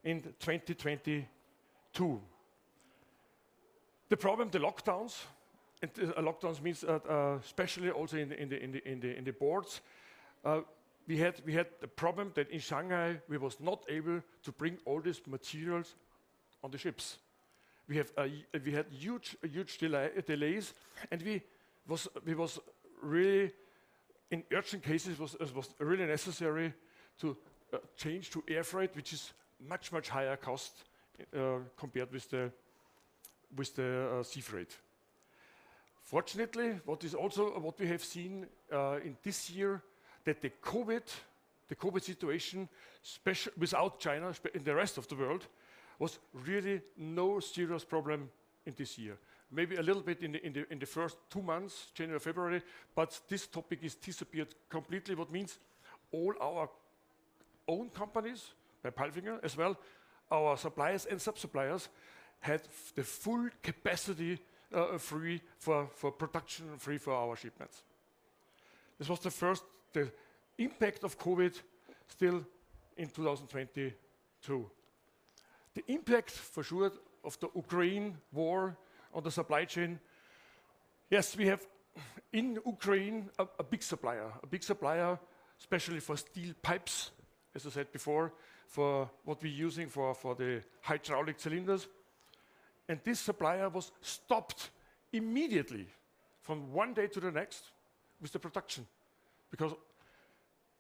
in 2022. The problem, the lockdowns, and lockdowns means especially also in the ports. We had a problem that in Shanghai, we was not able to bring all these materials on the ships. We had huge delays, and we was really in urgent cases, it was really necessary to change to air freight, which is much higher cost compared with the sea freight. Fortunately, what we have also seen in this year, that the COVID situation without China in the rest of the world was really no serious problem in this year. Maybe a little bit in the first two months, January, February, but this topic is disappeared completely. What means all our own companies by PALFINGER, as well, our suppliers and sub-suppliers had the full capacity free for production, free for our shipments. This was the first, the impact of COVID still in 2022. The impact, for sure, of the Ukraine war on the supply chain. Yes, we have in Ukraine a big supplier, especially for steel pipes, as I said before, for what we're using for the hydraulic cylinders, and this supplier was stopped immediately from one day to the next with the production because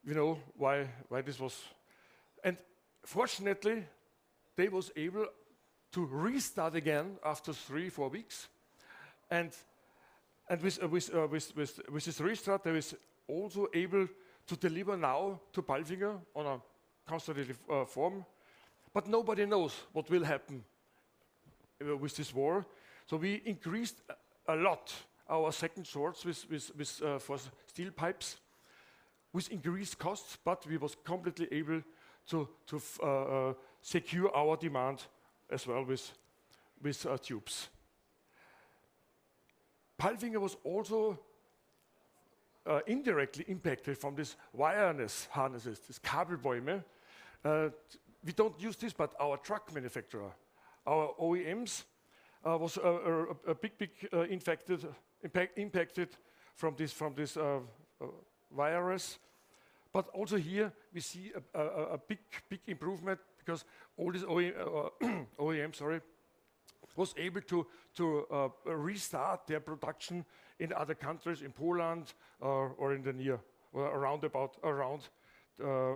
you know why this was. Fortunately, they was able to restart again after three-four weeks and with this restart, they was also able to deliver now to PALFINGER on a constantly form. Nobody knows what will happen with this war, we increased a lot our second source with for steel pipes with increased costs, we was completely able to secure our demand as well with tubes. PALFINGER was also indirectly impacted from this wiring harnesses, this Kabelbäume. We don't use this, our truck manufacturer, our OEMs was a big impacted from this, from this virus. Also here we see a big improvement because all this OEM was able to restart their production in other countries, in Poland, or around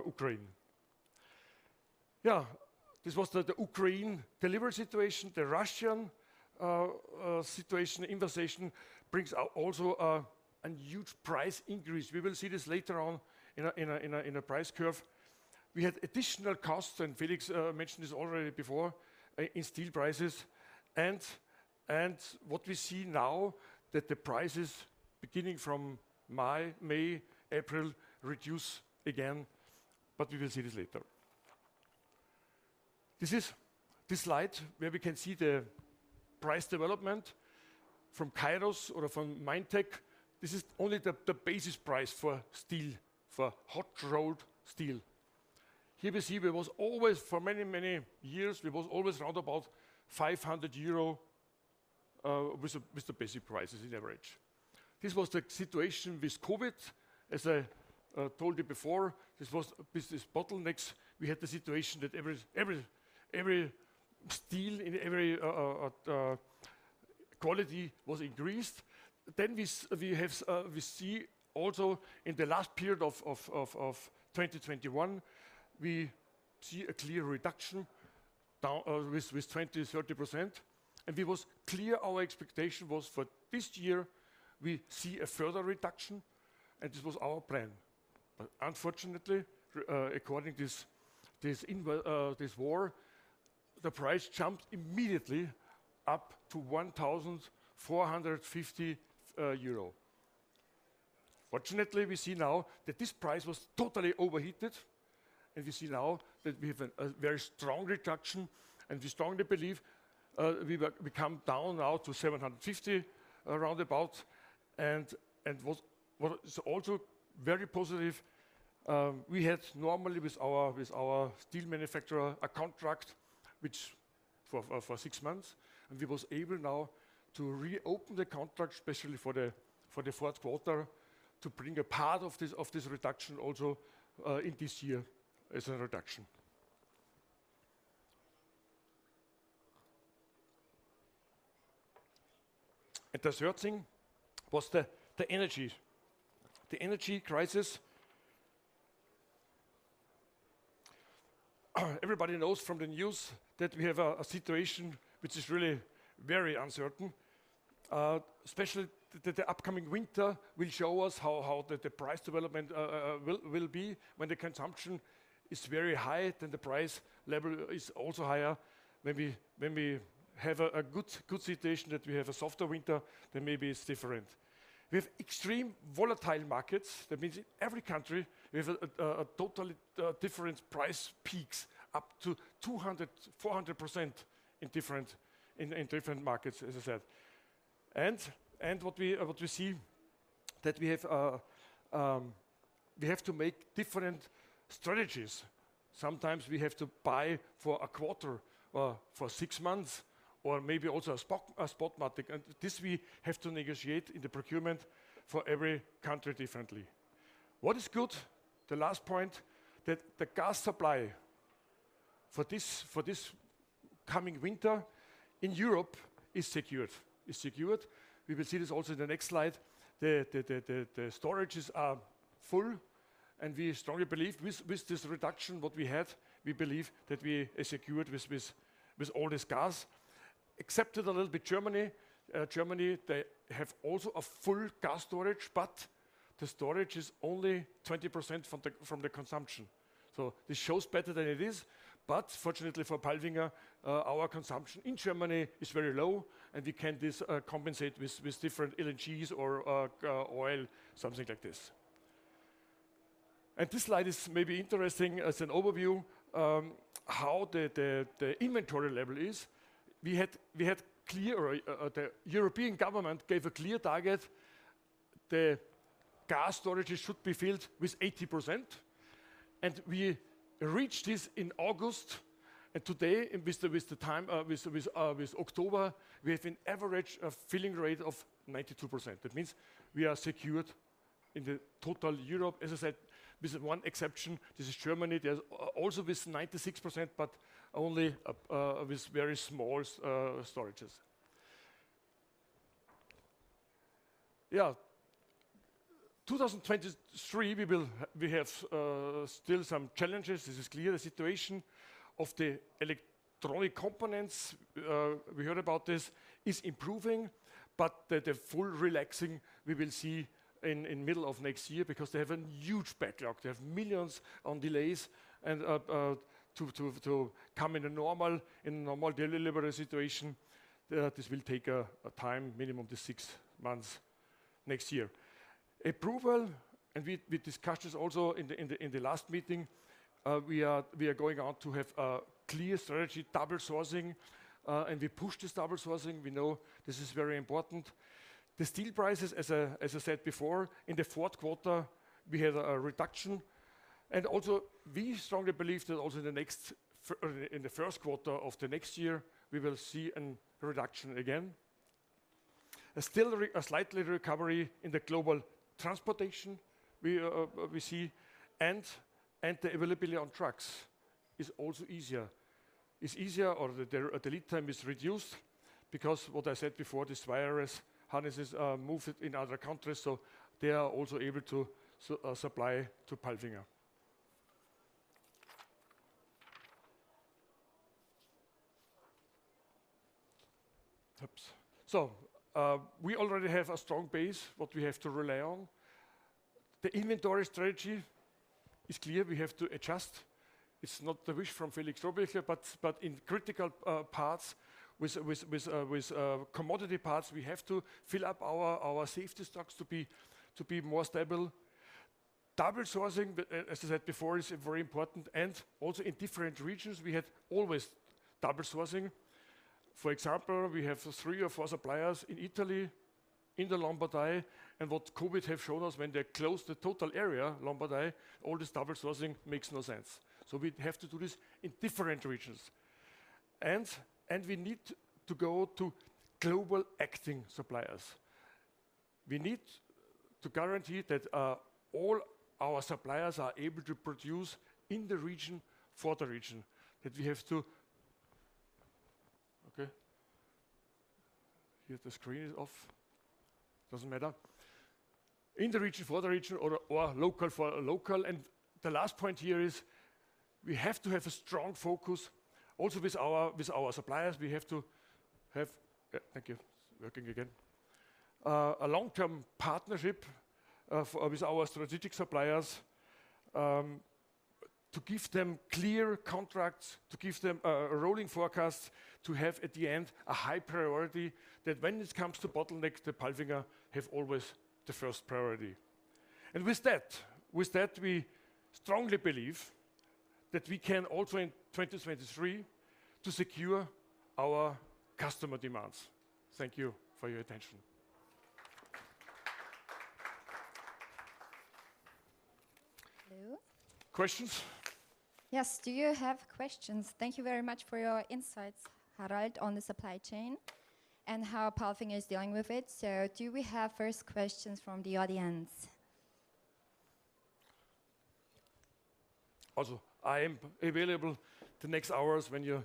Ukraine. This was the Ukraine delivery situation. The Russian situation invasion brings out also a huge price increase. We will see this later on in a price curve. We had additional costs, and Felix mentioned this already before in steel prices, and what we see now that the prices beginning from May, April reduce again, but we will see this later. This is the slide where we can see the price development from Kallanish or from MEPS. This is only the basis price for steel, for hot-rolled steel. Here we see there was always for many years, there was always round about 500 euro with the basic prices in average. This was the situation with COVID. As I told you before, this was business bottlenecks. We had the situation that every steel in every quality was increased. We see also in the last period of 2021, we see a clear reduction down with 20%-30%, and it was clear our expectation was for this year we see a further reduction, and this was our plan. Unfortunately, according to this war, the price jumped immediately up to 1,450 euro. Fortunately, we see now that this price was totally overheated, and we see now that we have a very strong reduction, and we strongly believe we come down now to 750 around about. What is also very positive, we had normally with our steel manufacturer a contract which for six months, and we was able now to reopen the contract, especially for the fourth quarter, to bring a part of this reduction also in this year as a reduction. The third thing was the energy. The energy crisis. Everybody knows from the news that we have a situation which is really very uncertain. Especially the upcoming winter will show us how the price development will be. When the consumption is very high, then the price level is also higher. When we have a good situation that we have a softer winter, then maybe it's different. With extremely volatile markets, that means in every country we have a totally different price peaks up to 200%, 400% in different markets, as I said. What we see that we have to make different strategies. Sometimes we have to buy for a quarter, for six months, or maybe also a spot market, and this we have to negotiate in the procurement for every country differently. What is good, the last point, that the gas supply for this coming winter in Europe is secured. We will see this also in the next slide. The storages are full, and we strongly believe with this reduction what we have, we believe that we are secured with all this gas. Except a little bit, Germany. Germany, they have also a full gas storage, but the storage is only 20% from the consumption. This shows better than it is, but fortunately for PALFINGER, our consumption in Germany is very low, and we can thus compensate with different LNGs or oil, something like this. This slide is maybe interesting as an overview how the inventory level is. The European government gave a clear target. The gas storages should be filled with 80%, and we reached this in August. Today, in October, we have an average filling rate of 92%. That means we are secured in the total Europe, as I said, with one exception. This is Germany. There's also with 96%, but only with very small storages. 2023, we have still some challenges. This is clear. The situation of the electronic components, we heard about this, is improving, but the full relaxation we will see in middle of next year, because they have a huge backlog. They have millions on delays and to come in a normal delivery situation, this will take a time minimum six months next year. A proposal, and we discussed this also in the last meeting. We are going to have a clear strategy, double sourcing, and we push this double sourcing. We know this is very important. The steel prices, as I said before, in the fourth quarter, we have a reduction. We strongly believe that also in the next year in the first quarter of the next year, we will see a reduction again. We see a slight recovery in the global transportation, and the availability on trucks is also easier. It's easier, the lead time is reduced because what I said before, these wiring harnesses moved in other countries, so they are also able to supply to PALFINGER. Oops. We already have a strong base, what we have to rely on. The inventory strategy is clear. We have to adjust. It's not the wish from Felix Strohbichler here, but in critical parts with commodity parts, we have to fill up our safety stocks to be more stable. Double sourcing, as I said before, is very important. Also in different regions, we had always double sourcing. For example, we have three or four suppliers in Italy, in the Lombardy, and what COVID have shown us, when they closed the total area, Lombardy, all this double sourcing makes no sense. We have to do this in different regions. We need to go to global acting suppliers. We need to guarantee that all our suppliers are able to produce in the region for the region, that we have to. Okay. Here the screen is off. Doesn't matter. In the region for the region or local for local. The last point here is we have to have a strong focus also with our suppliers, a long-term partnership with our strategic suppliers to give them clear contracts, to give them a rolling forecast, to have at the end a high priority that when it comes to bottleneck, that PALFINGER have always the first priority. With that, we strongly believe that we can also in 2023 to secure our customer demands. Thank you for your attention. Hello. Questions? Yes. Do you have questions? Thank you very much for your insights, Harald, on the supply chain and how PALFINGER is dealing with it. Do we have first questions from the audience? I am available the next hours when you.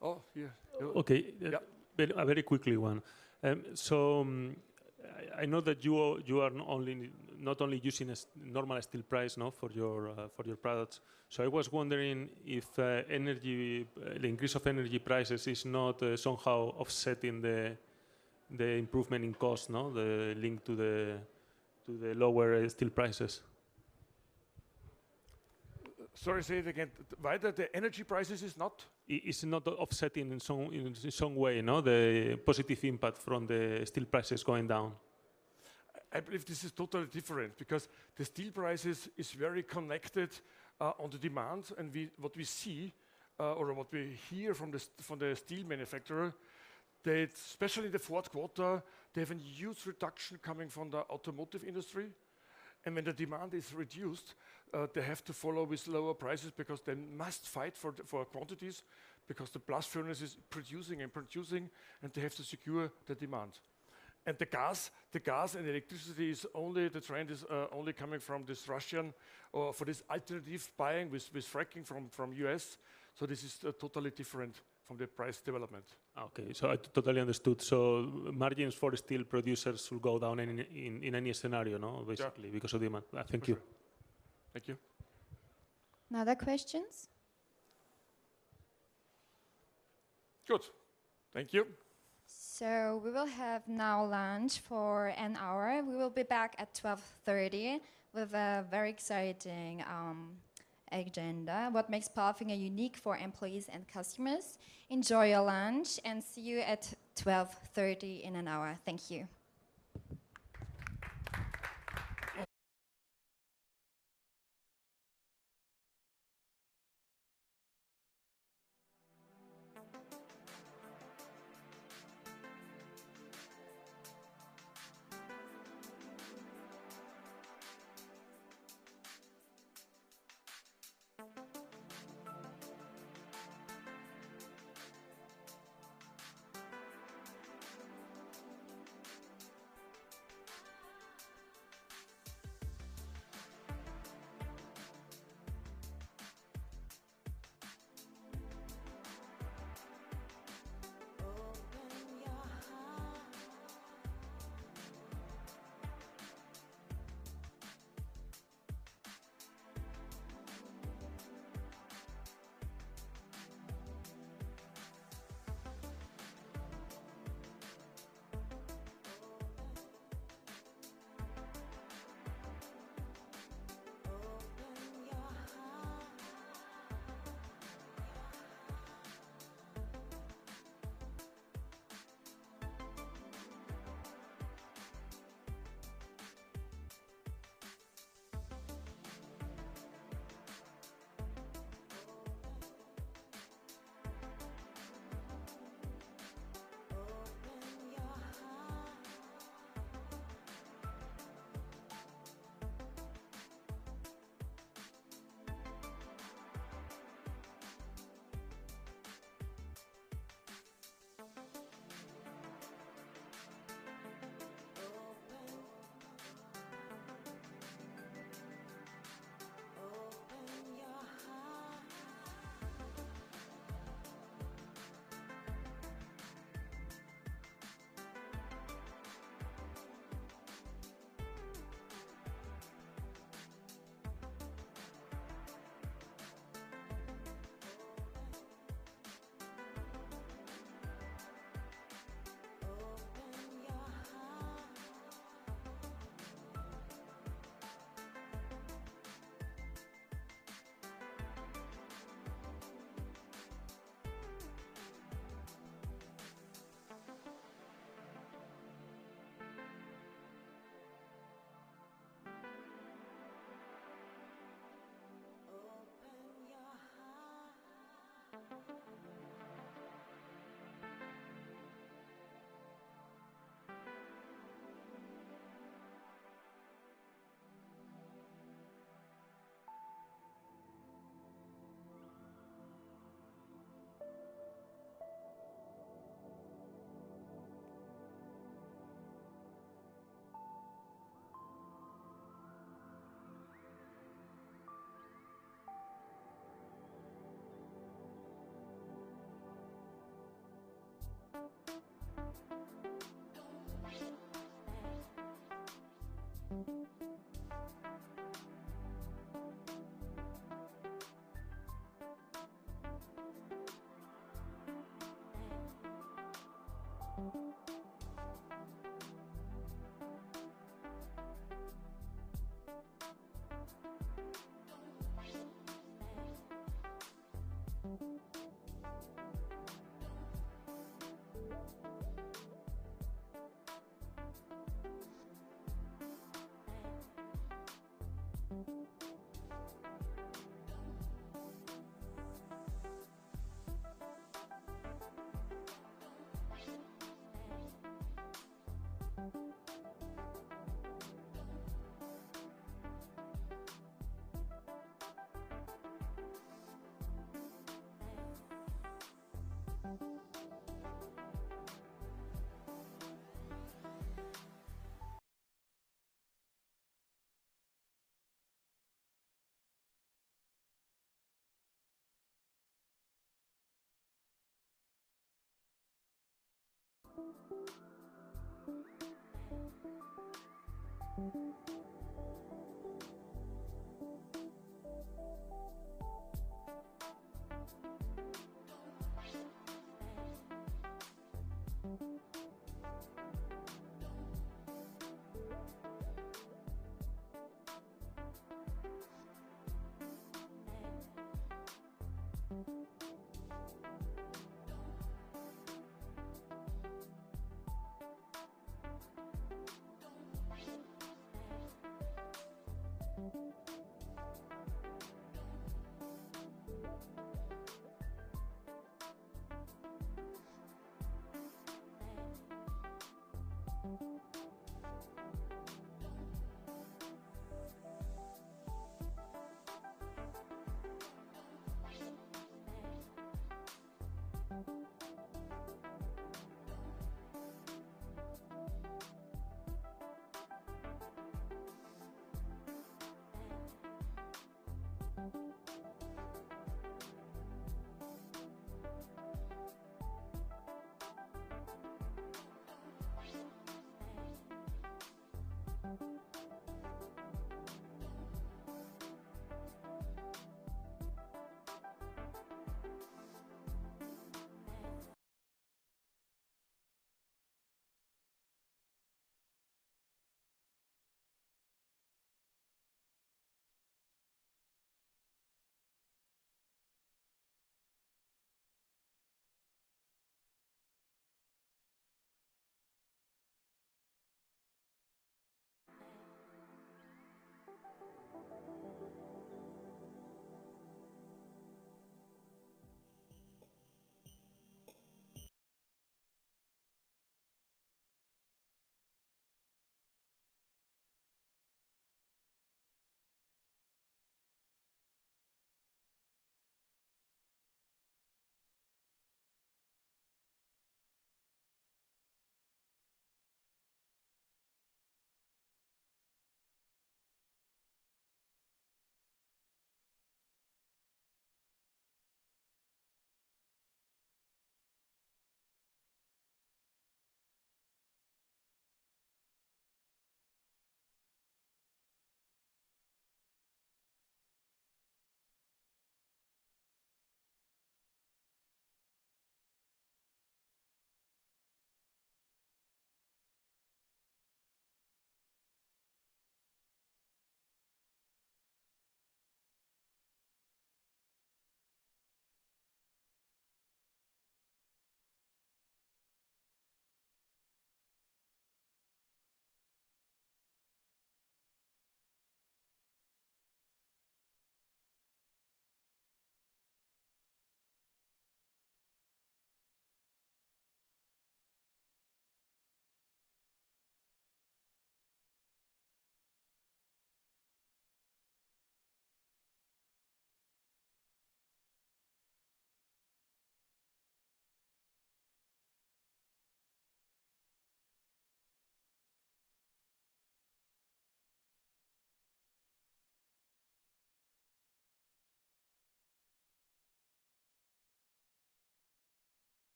Oh, here. Okay. Yeah. Very quickly one. I know that you are not only using a normal steel price for your products. I was wondering if the increase of energy prices is not somehow offsetting the improvement in cost. The link to the lower steel prices. Sorry, say it again. Why is that the energy prices is not? Is not offsetting in some way the positive impact from the steel prices going down? I believe this is totally different because the steel prices is very connected on the demand. What we see or what we hear from the steel manufacturer, they especially the fourth quarter, they have a huge reduction coming from the automotive industry. When the demand is reduced, they have to follow with lower prices because they must fight for quantities because the blast furnace is producing, and they have to secure the demand. The gas and electricity is only the trend is only coming from this Russian war for this alternative buying with fracking from U.S. This is totally different from the price development. Okay. I totally understood. Margins for steel producers will go down in any scenario, basically. Yeah. Because of the amount. Thank you. For sure. Thank you. Other questions? Good. Thank you. We will have now lunch for an hour. We will be back at 12:30 with a very exciting agenda, what makes PALFINGER unique for employees and customers. Enjoy your lunch, and see you at 12:30 in an hour. Thank you.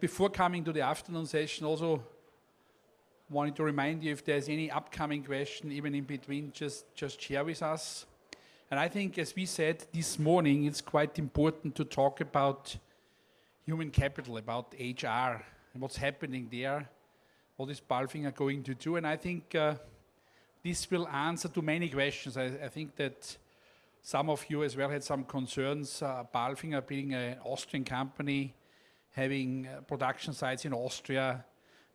Before coming to the afternoon session, also wanted to remind you if there's any upcoming question even in between, just share with us. I think as we said this morning, it's quite important to talk about human capital, about HR and what's happening there, what is PALFINGER going to do? I think this will answer to many questions. I think that some of you as well had some concerns, PALFINGER being an Austrian company, having production sites in Austria,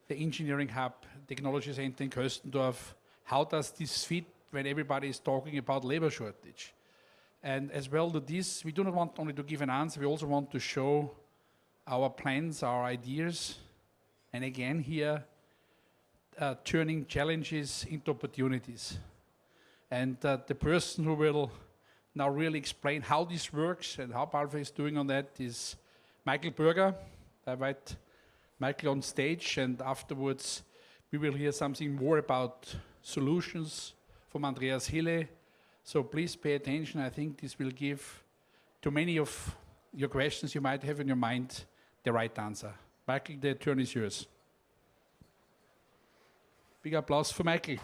the engineering hub, technology center in Köstendorf, how does this fit when everybody's talking about labor shortage? As well to this, we do not want only to give an answer, we also want to show our plans, our ideas, and again, here, turning challenges into opportunities. The person who will now really explain how this works and how PALFINGER is doing on that is Michael Berger. Invite Michael on stage, and afterwards we will hear something more about solutions from Andreas Hille. Please pay attention. I think this will give to many of your questions you might have in your mind the right answer. Michael, the turn is yours. Big applause for Michael.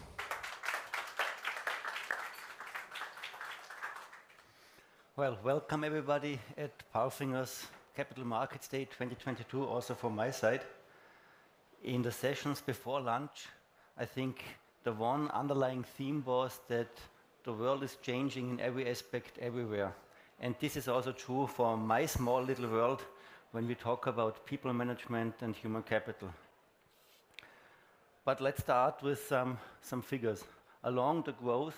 Well, welcome everybody at PALFINGER's Capital Markets Day 2022, also from my side. In the sessions before lunch, I think the one underlying theme was that the world is changing in every aspect everywhere, and this is also true for my small little world when we talk about people management and human capital. Let's start with some figures. Along the growth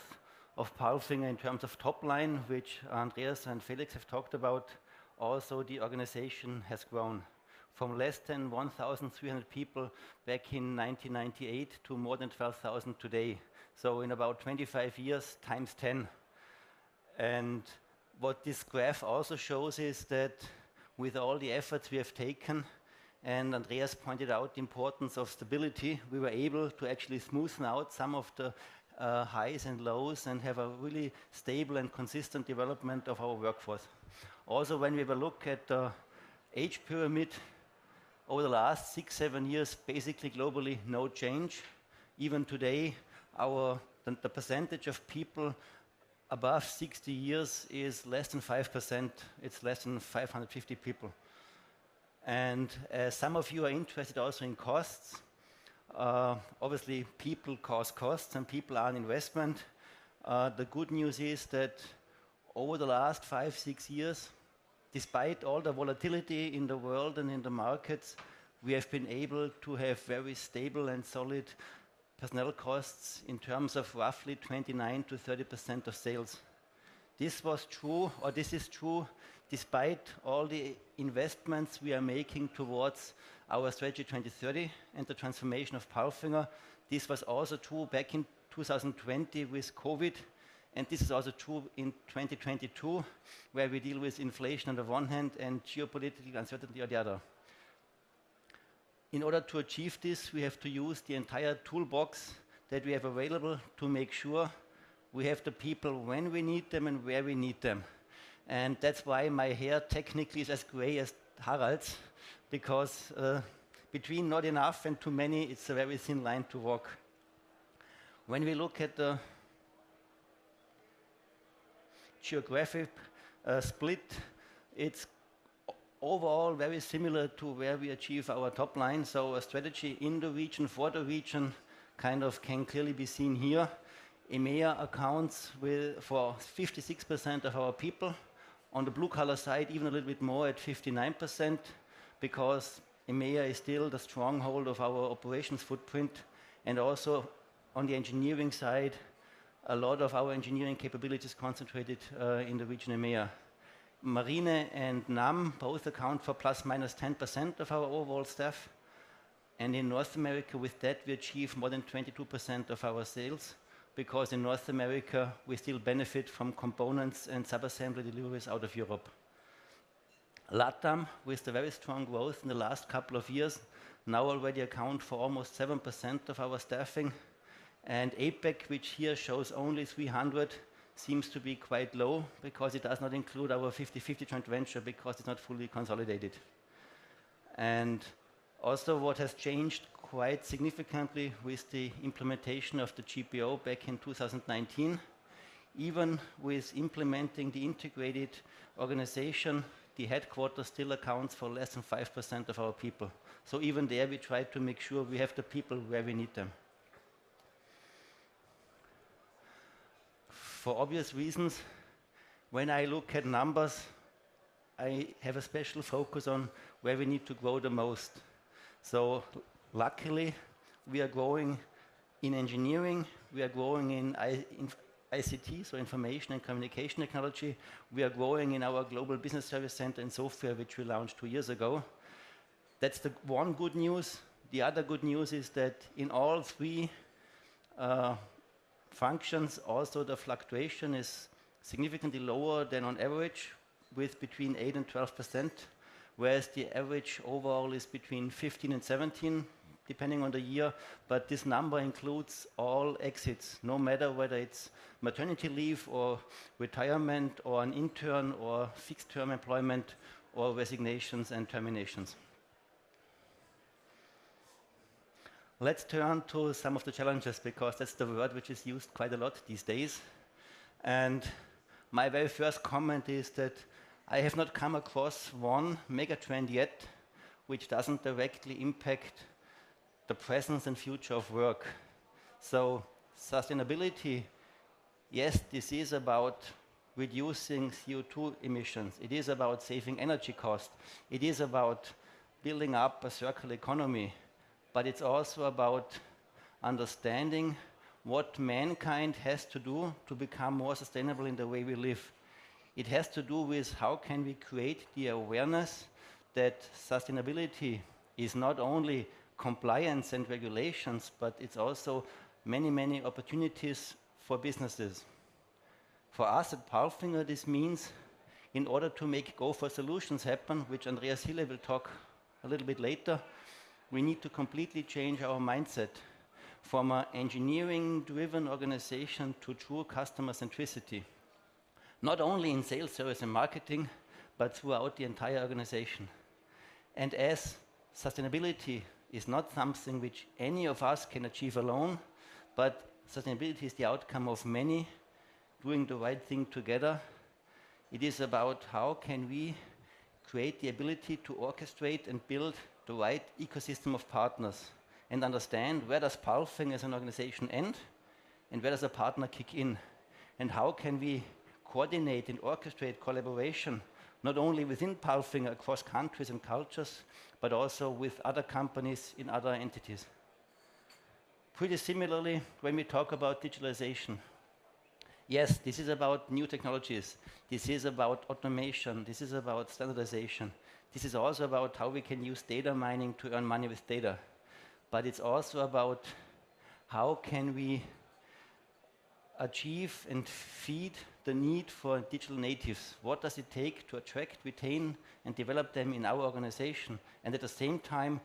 of PALFINGER in terms of top line, which Andreas and Felix have talked about, also the organization has grown from less than 1,300 people back in 1998 to more than 12,000 today, so in about 25 years, x10. What this graph also shows is that with all the efforts we have taken, and Andreas pointed out the importance of stability, we were able to actually smoothen out some of the highs and lows and have a really stable and consistent development of our workforce. Also, when we have a look at the age pyramid, over the last six, seven years, basically globally, no change. Even today, our percentage of people above 60 years is less than 5%. It's less than 550 people. Some of you are interested also in costs. Obviously people cause costs, and people are an investment. The good news is that over the last five-six years, despite all the volatility in the world and in the markets, we have been able to have very stable and solid personnel costs in terms of roughly 29%-30% of sales. This was true or this is true despite all the investments we are making towards our Strategy 2030 and the transformation of PALFINGER. This was also true back in 2020 with COVID, and this is also true in 2022, where we deal with inflation on the one hand and geopolitical uncertainty on the other. In order to achieve this, we have to use the entire toolbox that we have available to make sure we have the people when we need them and where we need them. That's why my hair technically is as gray as Harald's, because between not enough and too many, it's a very thin line to walk. When we look at the geographic split, it's overall very similar to where we achieve our top line, so a strategy in the region for the region kind of can clearly be seen here. EMEA accounts for 56% of our people. On the blue collar side, even a little bit more at 59% because EMEA is still the stronghold of our operations footprint. Also on the engineering side, a lot of our engineering capability is concentrated in the region EMEA. Marine and NAM both account for ±10% of our overall staff. In North America with that, we achieve more than 22% of our sales, because in North America, we still benefit from components and sub-assembly deliveries out of Europe. LATAM, with the very strong growth in the last couple of years, now already accounts for almost 7% of our staffing. APAC, which here shows only 300, seems to be quite low because it does not include our 50/50 joint venture because it's not fully consolidated. Also what has changed quite significantly with the implementation of the GPO back in 2019, even with implementing the integrated organization, the headquarters still accounts for less than 5% of our people. Even there, we try to make sure we have the people where we need them. For obvious reasons, when I look at numbers, I have a special focus on where we need to grow the most. Luckily, we are growing in engineering. We are growing in ICT, so information and communication technology. We are growing in our Global Business Services Center in Sofia, which we launched two years ago. That's the one good news. The other good news is that in all three functions, also the fluctuation is significantly lower than on average with between 8% and 12%, whereas the average overall is between 15% and 17%, depending on the year. This number includes all exits, no matter whether it's maternity leave or retirement or an intern or fixed-term employment or resignations and terminations. Let's turn to some of the challenges because that's the word which is used quite a lot these days. My very first comment is that I have not come across one mega trend yet which doesn't directly impact the presence and future of work. Sustainability, yes, this is about reducing CO2 emissions. It is about saving energy costs. It is about building up a circular economy. It's also about understanding what mankind has to do to become more sustainable in the way we live. It has to do with how can we create the awareness that sustainability is not only compliance and regulations, but it's also many, many opportunities for businesses. For us at PALFINGER, this means in order to make Go for Solutions happen, which Andreas Hille will talk a little bit later, we need to completely change our mindset from an engineering-driven organization to true customer centricity, not only in sales, service and marketing, but throughout the entire organization. As sustainability is not something which any of us can achieve alone, but sustainability is the outcome of many doing the right thing together. It is about how can we create the ability to orchestrate and build the right ecosystem of partners and understand where does PALFINGER as an organization end and where does a partner kick in? How can we coordinate and orchestrate collaboration not only within PALFINGER across countries and cultures, but also with other companies in other entities. Pretty similarly, when we talk about digitalization, yes, this is about new technologies. This is about automation. This is about standardization. This is also about how we can use data mining to earn money with data. It's also about how can we achieve and feed the need for digital natives? What does it take to attract, retain, and develop them in our organization? At the same time,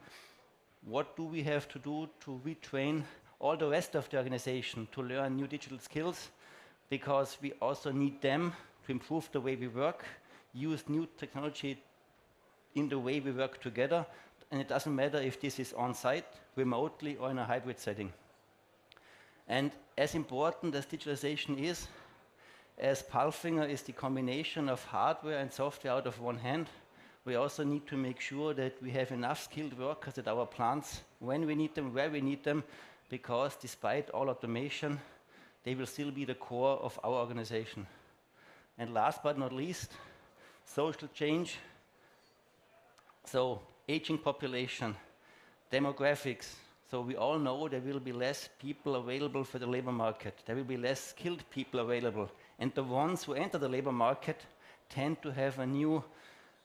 what do we have to do to retrain all the rest of the organization to learn new digital skills? Because we also need them to improve the way we work, use new technology in the way we work together. It doesn't matter if this is on site, remotely or in a hybrid setting. As important as digitalization is, as PALFINGER is the combination of hardware and software out of one hand, we also need to make sure that we have enough skilled workers at our plants when we need them, where we need them, because despite all automation, they will still be the core of our organization. Last but not least, social change. Aging population, demographics. We all know there will be less people available for the labor market. There will be less skilled people available. The ones who enter the labor market tend to have a new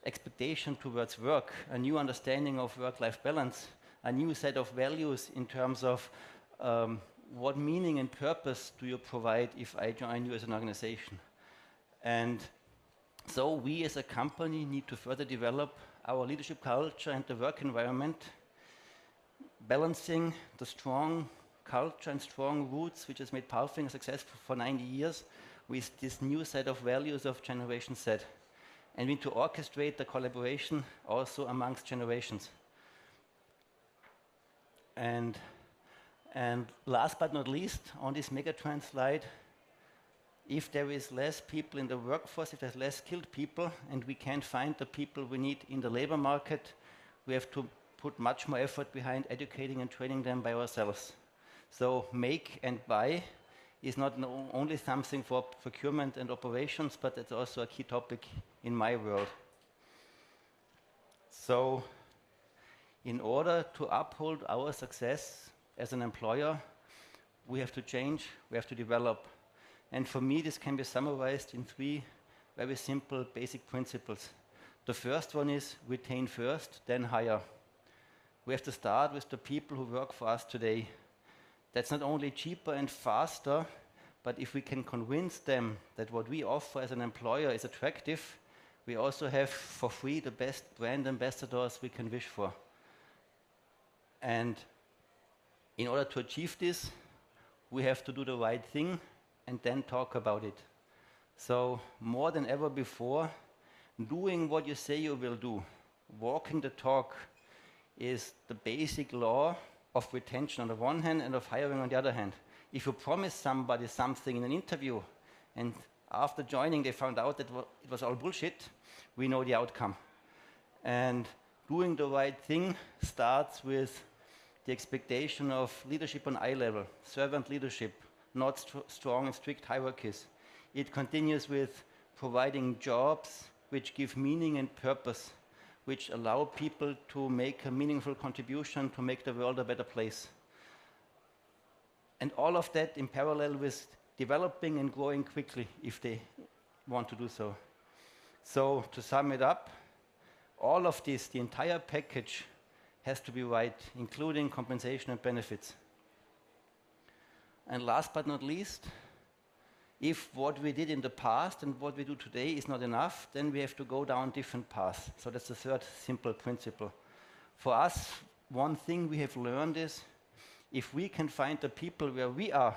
expectation towards work, a new understanding of work-life balance, a new set of values in terms of what meaning and purpose do you provide if I join you as an organization. We as a company need to further develop our leadership culture and the work environment, balancing the strong culture and strong roots which has made PALFINGER successful for 90 years with this new set of values of Generation Z, and we need to orchestrate the collaboration also amongst generations. Last but not least on this mega trend slide, if there is less people in the workforce, if there's less skilled people and we can't find the people we need in the labor market, we have to put much more effort behind educating and training them by ourselves. Make and buy is not only something for procurement and operations, but it's also a key topic in my world. In order to uphold our success as an employer, we have to change, we have to develop. For me this can be summarized in three very simple basic principles. The first one is retain first, then hire. We have to start with the people who work for us today. That's not only cheaper and faster, but if we can convince them that what we offer as an employer is attractive, we also have for free the best brand ambassadors we can wish for. In order to achieve this, we have to do the right thing and then talk about it. More than ever before, doing what you say you will do, walking the talk is the basic law of retention on the one hand and of hiring on the other hand. If you promise somebody something in an interview and after joining they found out that it was all bullshit, we know the outcome. Doing the right thing starts with the expectation of leadership on eye level, servant leadership, not strong and strict hierarchies. It continues with providing jobs which give meaning and purpose, which allow people to make a meaningful contribution to make the world a better place. All of that in parallel with developing and growing quickly if they want to do so. To sum it up, all of this, the entire package has to be right, including compensation and benefits. Last but not least, if what we did in the past and what we do today is not enough, then we have to go down different paths. That's the third simple principle. For us, one thing we have learned is if we can find the people where we are.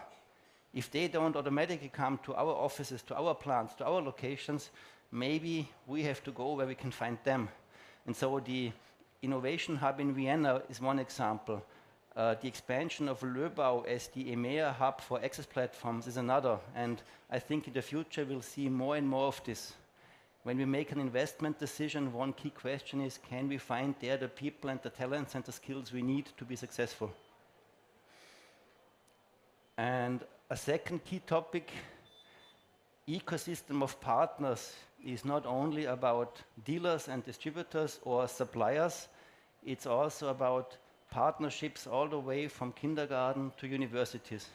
If they don't automatically come to our offices, to our plants, to our locations, maybe we have to go where we can find them. The innovation hub in Vienna is one example. The expansion of Löbau as the EMEA hub for access platforms is another, and I think in the future we'll see more and more of this. When we make an investment decision, one key question is: Can we find there the people and the talents and the skills we need to be successful? A second key topic, ecosystem of partners is not only about dealers and distributors or suppliers, it's also about partnerships all the way from kindergarten to universities.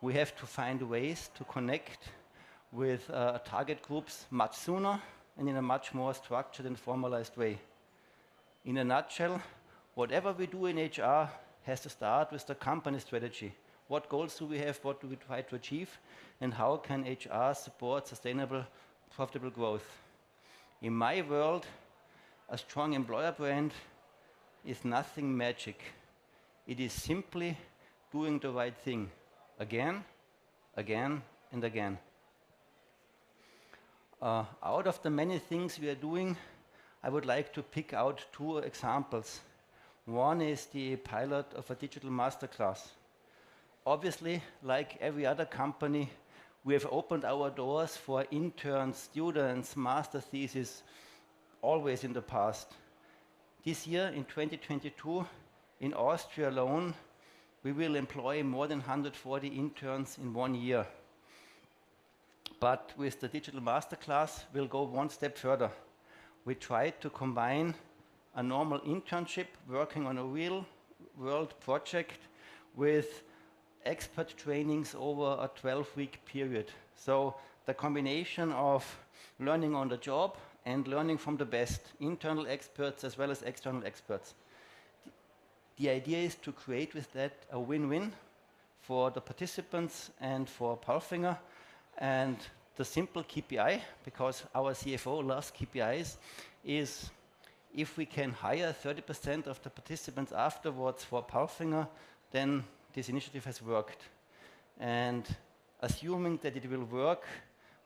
We have to find ways to connect with target groups much sooner and in a much more structured and formalized way. In a nutshell, whatever we do in HR has to start with the company strategy. What goals do we have? What do we try to achieve? How can HR support sustainable, profitable growth? In my world, a strong employer brand is nothing magic. It is simply doing the right thing again, and again. Out of the many things we are doing, I would like to pick out two examples. One is the pilot of a digital masterclass. Obviously, like every other company, we have opened our doors for interns, students, master thesis always in the past. This year, in 2022, in Austria alone, we will employ more than 140 interns in one year. With the digital masterclass, we'll go one step further. We try to combine a normal internship working on a real-world project with expert trainings over a 12-week period. The combination of learning on the job and learning from the best internal experts as well as external experts. The idea is to create with that a win-win for the participants and for PALFINGER. The simple KPI, because our CFO loves KPIs, is if we can hire 30% of the participants afterwards for PALFINGER, then this initiative has worked. Assuming that it will work,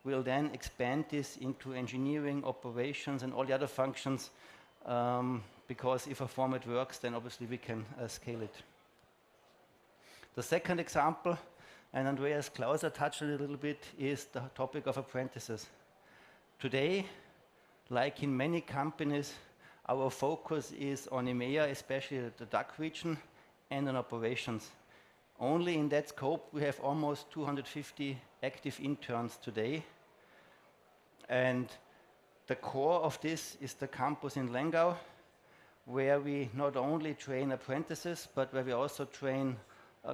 we'll then expand this into engineering operations and all the other functions, because if a format works, then obviously we can scale it. The second example, Andreas Klauser touched on it a little bit, is the topic of apprentices. Today, like in many companies, our focus is on EMEA, especially the DACH region and on operations. Only in that scope, we have almost 250 active interns today. The core of this is the campus in Lengau, where we not only train apprentices, but where we also train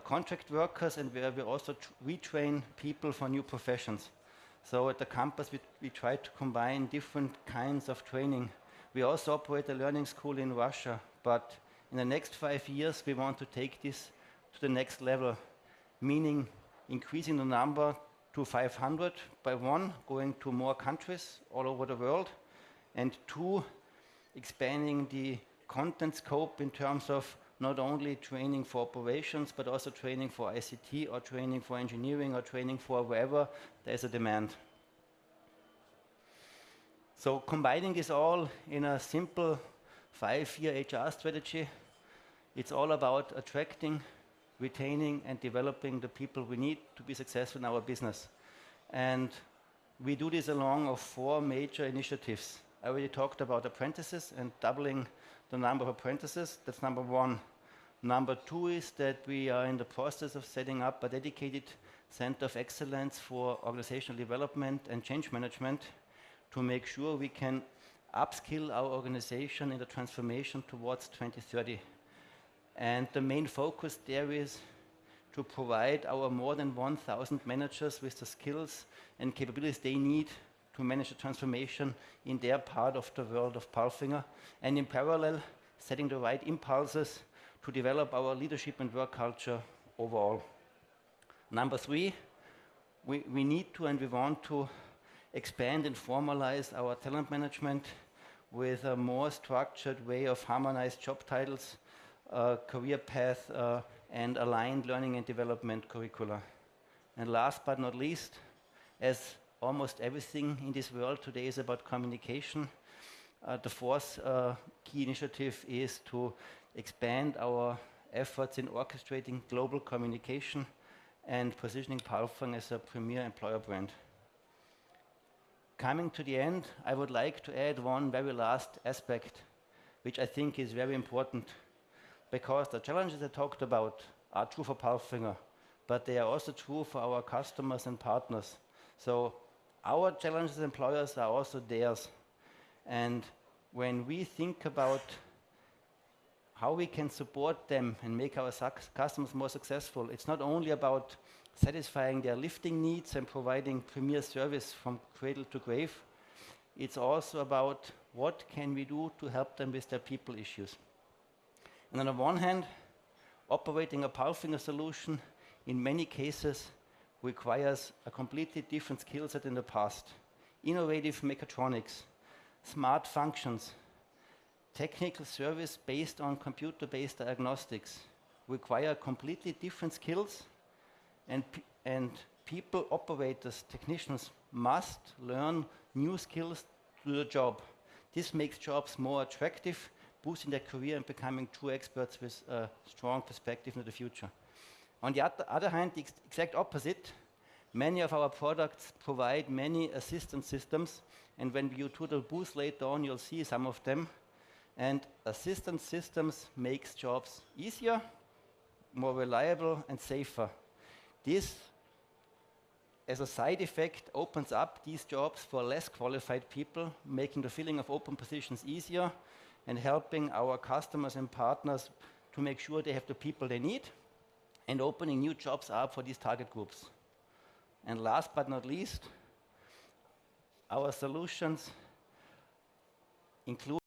contract workers and where we also train people for new professions. At the campus, we try to combine different kinds of training. We also operate a learning school in Russia, but in the next five years, we want to take this to the next level, meaning increasing the number to 500 by, one, going to more countries all over the world, and two, expanding the content scope in terms of not only training for operations, but also training for ICT or training for engineering or training for wherever there's a demand. Combining this all in a simple five-year HR strategy, it's all about attracting, retaining, and developing the people we need to be successful in our business. We do this along four major initiatives. I already talked about apprentices and doubling the number of apprentices. That's number one. Number two is that we are in the process of setting up a dedicated center of excellence for organizational development and change management to make sure we can upskill our organization in the transformation towards 2030. The main focus there is to provide our more than 1,000 managers with the skills and capabilities they need to manage the transformation in their part of the world of PALFINGER and, in parallel, setting the right impulses to develop our leadership and work culture overall. Number three, we need to and we want to expand and formalize our talent management with a more structured way of harmonized job titles, career path, and aligned learning and development curricula. Last but not least, as almost everything in this world today is about communication, the fourth key initiative is to expand our efforts in orchestrating global communication and positioning PALFINGER as a premier employer brand. Coming to the end, I would like to add one very last aspect, which I think is very important, because the challenges I talked about are true for PALFINGER, but they are also true for our customers and partners. Our challenges as employers are also theirs, and when we think about how we can support them and make our customers more successful, it's not only about satisfying their lifting needs and providing premier service from cradle to grave, it's also about what can we do to help them with their people issues. On the one hand, operating a PALFINGER solution in many cases requires a completely different skill set than the past. Innovative mechatronics, smart functions. Technical service based on computer-based diagnostics require completely different skills and people, operators, technicians must learn new skills through the job. This makes jobs more attractive, boosting their career and becoming true experts with a strong perspective in the future. On the other hand, the exact opposite, many of our products provide many assistance systems, and when you tour the booth later on, you'll see some of them. Assistance systems makes jobs easier, more reliable, and safer. This, as a side effect, opens up these jobs for less qualified people, making the filling of open positions easier and helping our customers and partners to make sure they have the people they need and opening new jobs up for these target groups. Last but not least, our solutions include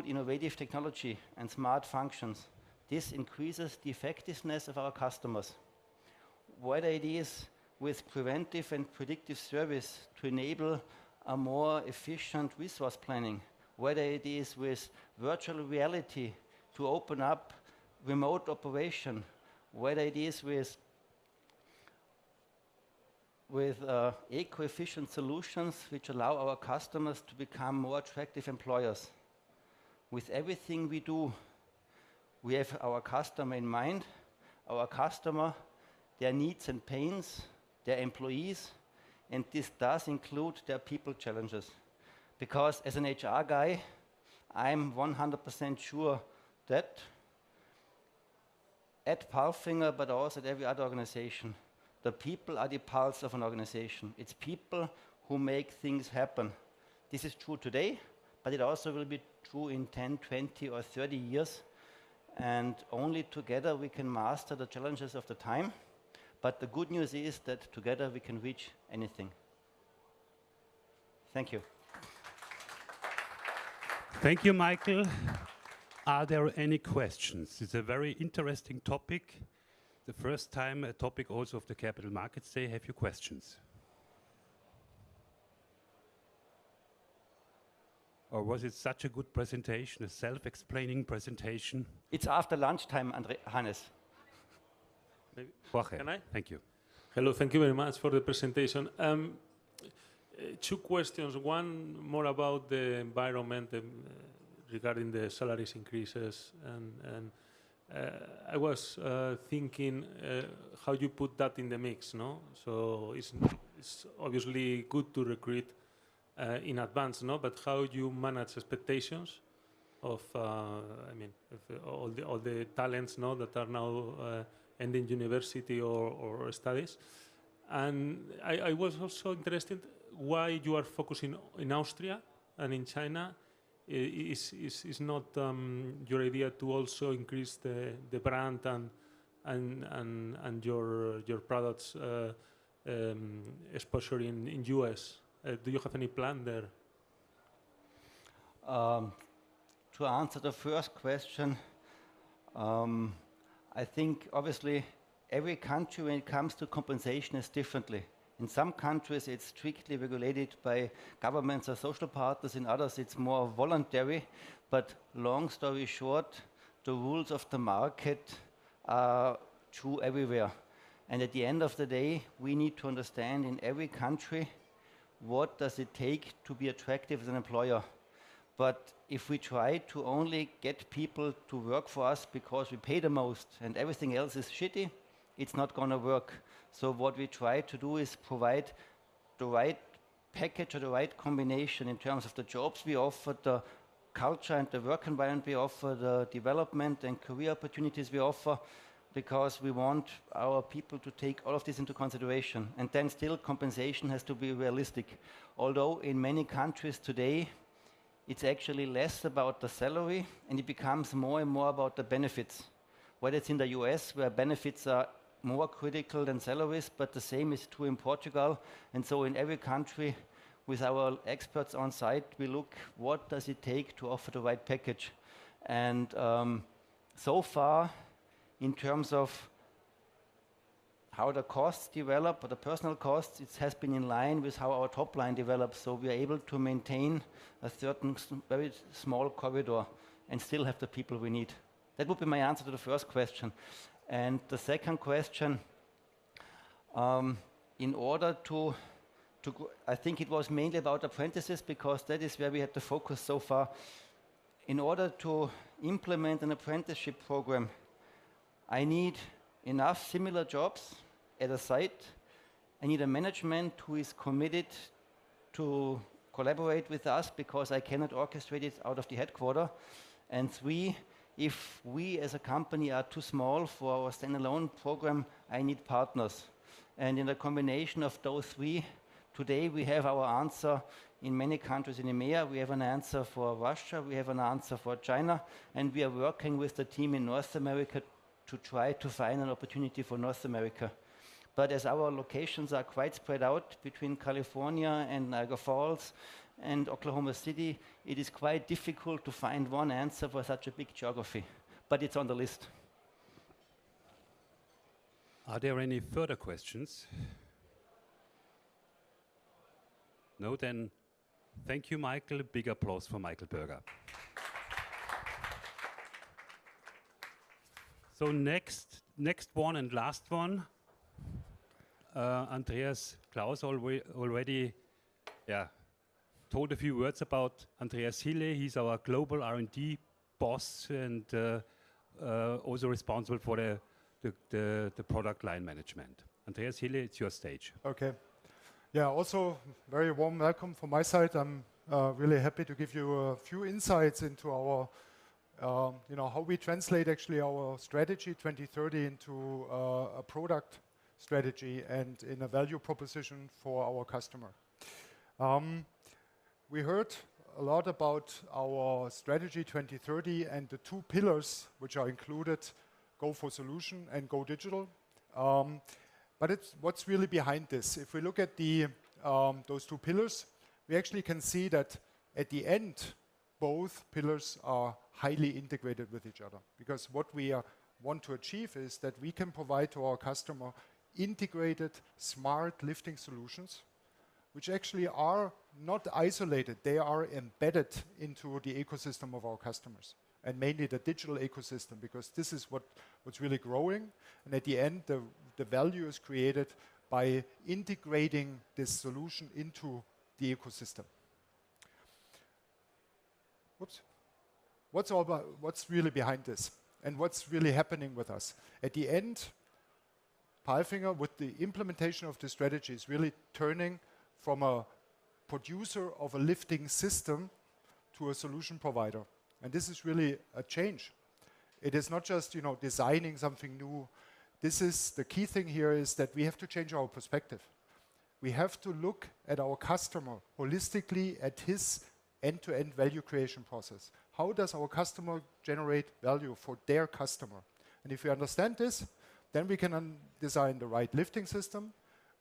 good innovative technology and smart functions. This increases the effectiveness of our customers. Whether it is with preventive and predictive service to enable a more efficient resource planning, whether it is with virtual reality to open up remote operation, whether it is with eco-efficient solutions which allow our customers to become more attractive employers. With everything we do, we have our customer in mind, our customer, their needs and pains, their employees, and this does include their people challenges. Because as an HR guy, I'm 100% sure that at PALFINGER, but also at every other organization, the people are the pulse of an organization. It's people who make things happen. This is true today, but it also will be true in 10, 20 or 30 years, and only together we can master the challenges of the time. The good news is that together we can reach anything. Thank you. Thank you, Michael. Are there any questions? It's a very interesting topic. The first time a topic also of the capital markets, they have your questions. Or was it such a good presentation, a self-explanatory presentation? It's after lunchtime, Hannes. Maybe- Can I? Thank you. Hello. Thank you very much for the presentation. Two questions. One more about the environment and regarding the salary increases and I was thinking how you put that in the mix, no? It's obviously good to recruit in advance, no? How you manage expectations of I mean of all the talents now that are ending university or studies. I was also interested why you are focusing in Austria and in China. Is not your idea to also increase the brand and your products especially in U.S. Do you have any plan there? To answer the first question, I think obviously every country when it comes to compensation is differently. In some countries, it's strictly regulated by governments or social partners, in others, it's more voluntary. Long story short, the rules of the market are true everywhere. At the end of the day, we need to understand in every country, what does it take to be attractive as an employer. If we try to only get people to work for us because we pay the most and everything else is shitty, it's not gonna work. What we try to do is provide the right package or the right combination in terms of the jobs we offer, the culture and the work environment we offer, the development and career opportunities we offer, because we want our people to take all of this into consideration. Still compensation has to be realistic. Although in many countries today, it's actually less about the salary, and it becomes more and more about the benefits. Whether it's in the U.S., where benefits are more critical than salaries, but the same is true in Portugal. In every country with our experts on site, we look what does it take to offer the right package. So far in terms of how the costs develop or the personnel costs, it has been in line with how our top line develops. We are able to maintain a certain very small corridor and still have the people we need. That would be my answer to the first question. The second question, I think it was mainly about apprentices because that is where we had the focus so far. In order to implement an apprenticeship program, I need enough similar jobs at a site. I need a management who is committed to collaborate with us because I cannot orchestrate it out of the headquarters. Three, if we as a company are too small for a standalone program, I need partners. In a combination of those three, today we have our answer in many countries in EMEA. We have an answer for Russia, we have an answer for China, and we are working with the team in North America to try to find an opportunity for North America. As our locations are quite spread out between California and Niagara Falls and Oklahoma City, it is quite difficult to find one answer for such a big geography, but it's on the list. Are there any further questions? No, then thank you, Michael. A big applause for Michael Berger. Next one and last one, Andreas Klauser already, yeah, told a few words about Andreas Hille. He's our global R&D boss and also responsible for the product line management. Andreas Hille, it's your stage. Okay. Yeah, also very warm welcome from my side. I'm really happy to give you a few insights into our, you know, how we translate actually our Strategy 2030 into a product strategy and in a value proposition for our customer. We heard a lot about our Strategy 2030 and the two pillars which are included, Go for Solutions and Go Digital. It's what's really behind this? If we look at those two pillars, we actually can see that at the end, both pillars are highly integrated with each other. Because what we want to achieve is that we can provide to our customer integrated, smart lifting solutions, which actually are not isolated. They are embedded into the ecosystem of our customers, and mainly the digital ecosystem, because this is what's really growing. At the end, the value is created by integrating this solution into the ecosystem. Whoops. What's really behind this, and what's really happening with us? At the end, PALFINGER, with the implementation of the strategy, is really turning from a producer of a lifting system to a solution provider. This is really a change. It is not just, you know, designing something new. This is. The key thing here is that we have to change our perspective. We have to look at our customer holistically at his end-to-end value creation process. How does our customer generate value for their customer? If we understand this, then we can design the right lifting system,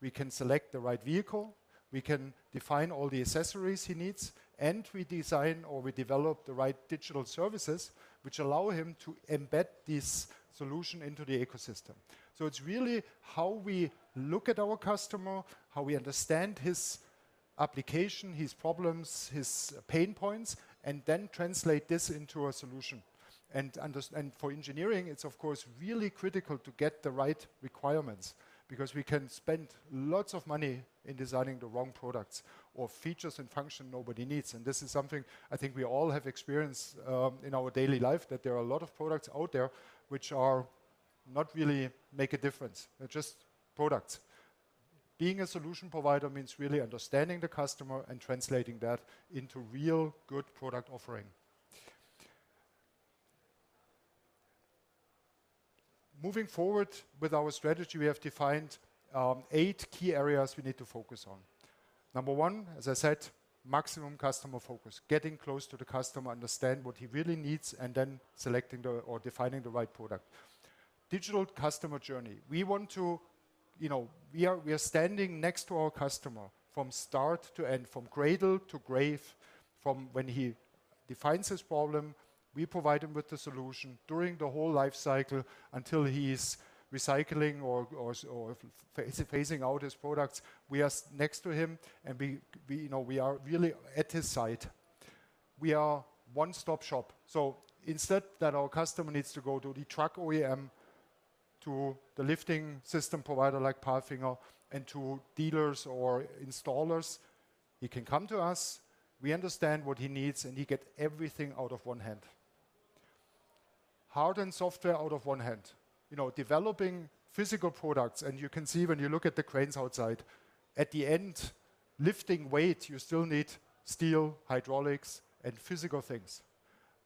we can select the right vehicle, we can define all the accessories he needs, and we design or we develop the right digital services which allow him to embed this solution into the ecosystem. It's really how we look at our customer, how we understand his application, his problems, his pain points, and then translate this into a solution. For engineering, it's of course really critical to get the right requirements, because we can spend lots of money in designing the wrong products or features and function nobody needs. This is something I think we all have experienced, in our daily life, that there are a lot of products out there which are not really make a difference. They're just products. Being a solution provider means really understanding the customer and translating that into real good product offering. Moving forward with our strategy, we have defined eight key areas we need to focus on. Number one, as I said, maximum customer focus. Getting close to the customer, understand what he really needs, and then selecting or defining the right product. Digital customer journey. We are standing next to our customer from start to end, from cradle to grave, from when he defines his problem, we provide him with the solution during the whole life cycle until he is recycling or phasing out his products. We are next to him, and we are really at his side. We are one stop shop. Instead that our customer needs to go to the truck OEM, to the lifting system provider like PALFINGER, and to dealers or installers, he can come to us, we understand what he needs, and he get everything out of one hand. Hardware and software out of one hand. You know, developing physical products, and you can see when you look at the cranes outside, at the end, lifting weight, you still need steel, hydraulics, and physical things.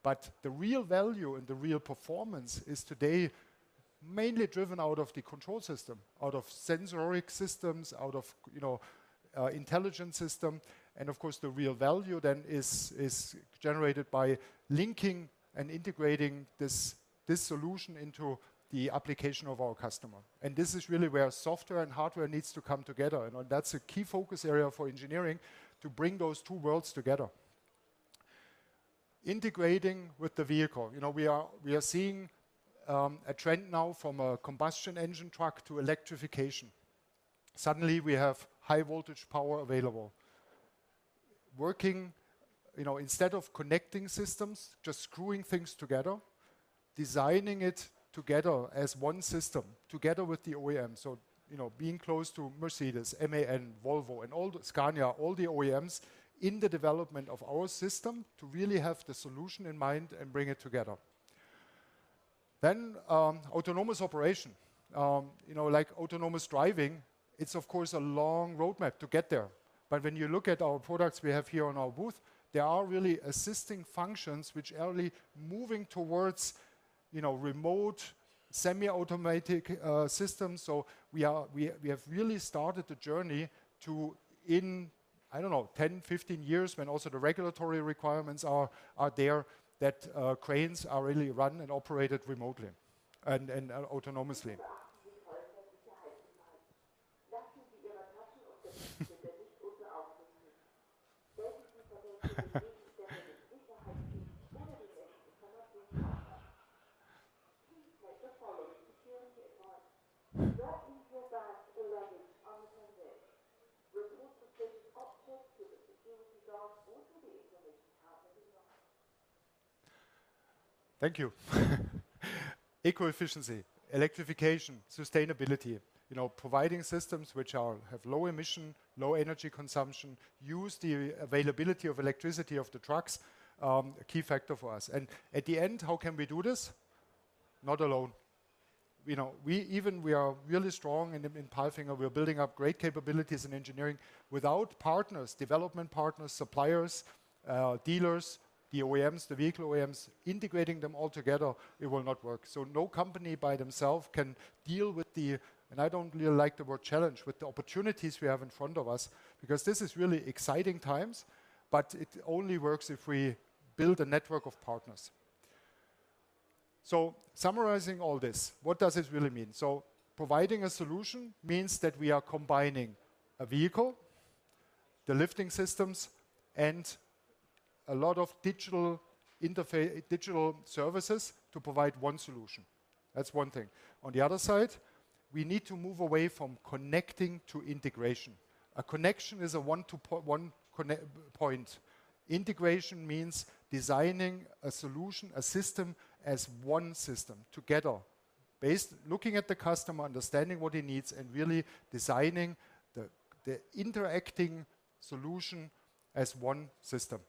But the real value and the real performance is today mainly driven out of the control system, out of sensoric systems, out of, you know, intelligent system. Of course, the real value then is generated by linking and integrating this solution into the application of our customer. This is really where software and hardware needs to come together. You know, that's a key focus area for engineering to bring those two worlds together. Integrating with the vehicle. You know, we are seeing a trend now from a combustion engine truck to electrification. Suddenly, we have high voltage power available. Working, you know, instead of connecting systems, just screwing things together, designing it together as one system, together with the OEM. You know, being close to Mercedes-Benz, MAN, Volvo, Scania, and all the OEMs in the development of our system to really have the solution in mind and bring it together. Autonomous operation. You know, like autonomous driving, it's of course a long roadmap to get there. When you look at our products we have here on our booth, there are really assisting functions which are really moving towards, you know, remote semi-automatic systems. We have really started the journey to, in, I don't know, 10, 15 years, when also the regulatory requirements are there, that cranes are really run and operated remotely and autonomously. Thank you. Eco-efficiency, electrification, sustainability. You know, providing systems which have low emission, low energy consumption, use the availability of electricity of the trucks, a key factor for us. At the end, how can we do this? Not alone. You know, we are really strong in PALFINGER, we are building up great capabilities in engineering. Without partners, development partners, suppliers, dealers, the OEMs, the vehicle OEMs, integrating them all together, it will not work. No company by themselves can deal with the, and I don't really like the word challenge, with the opportunities we have in front of us, because this is really exciting times, but it only works if we build a network of partners. Summarizing all this, what does this really mean? Providing a solution means that we are combining a vehicle, the lifting systems, and a lot of digital services to provide one solution. That's one thing. On the other side, we need to move away from connecting to integration. A connection is a one to one connect point. Integration means designing a solution, a system, as one system together. Looking at the customer, understanding what he needs, and really designing the interacting solution as one system.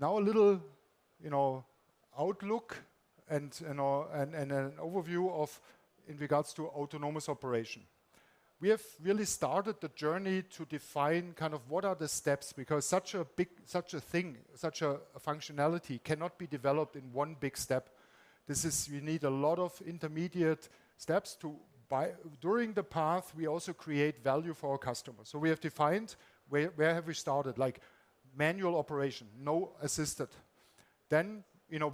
Now a little, you know, outlook and, you know, an overview in regards to autonomous operation. We have really started the journey to define kind of what are the steps, because such a big thing, such a functionality cannot be developed in one big step. This is. We need a lot of intermediate steps to build. During the path, we also create value for our customers. We have defined where we have started, like manual operation, non-assisted. You know,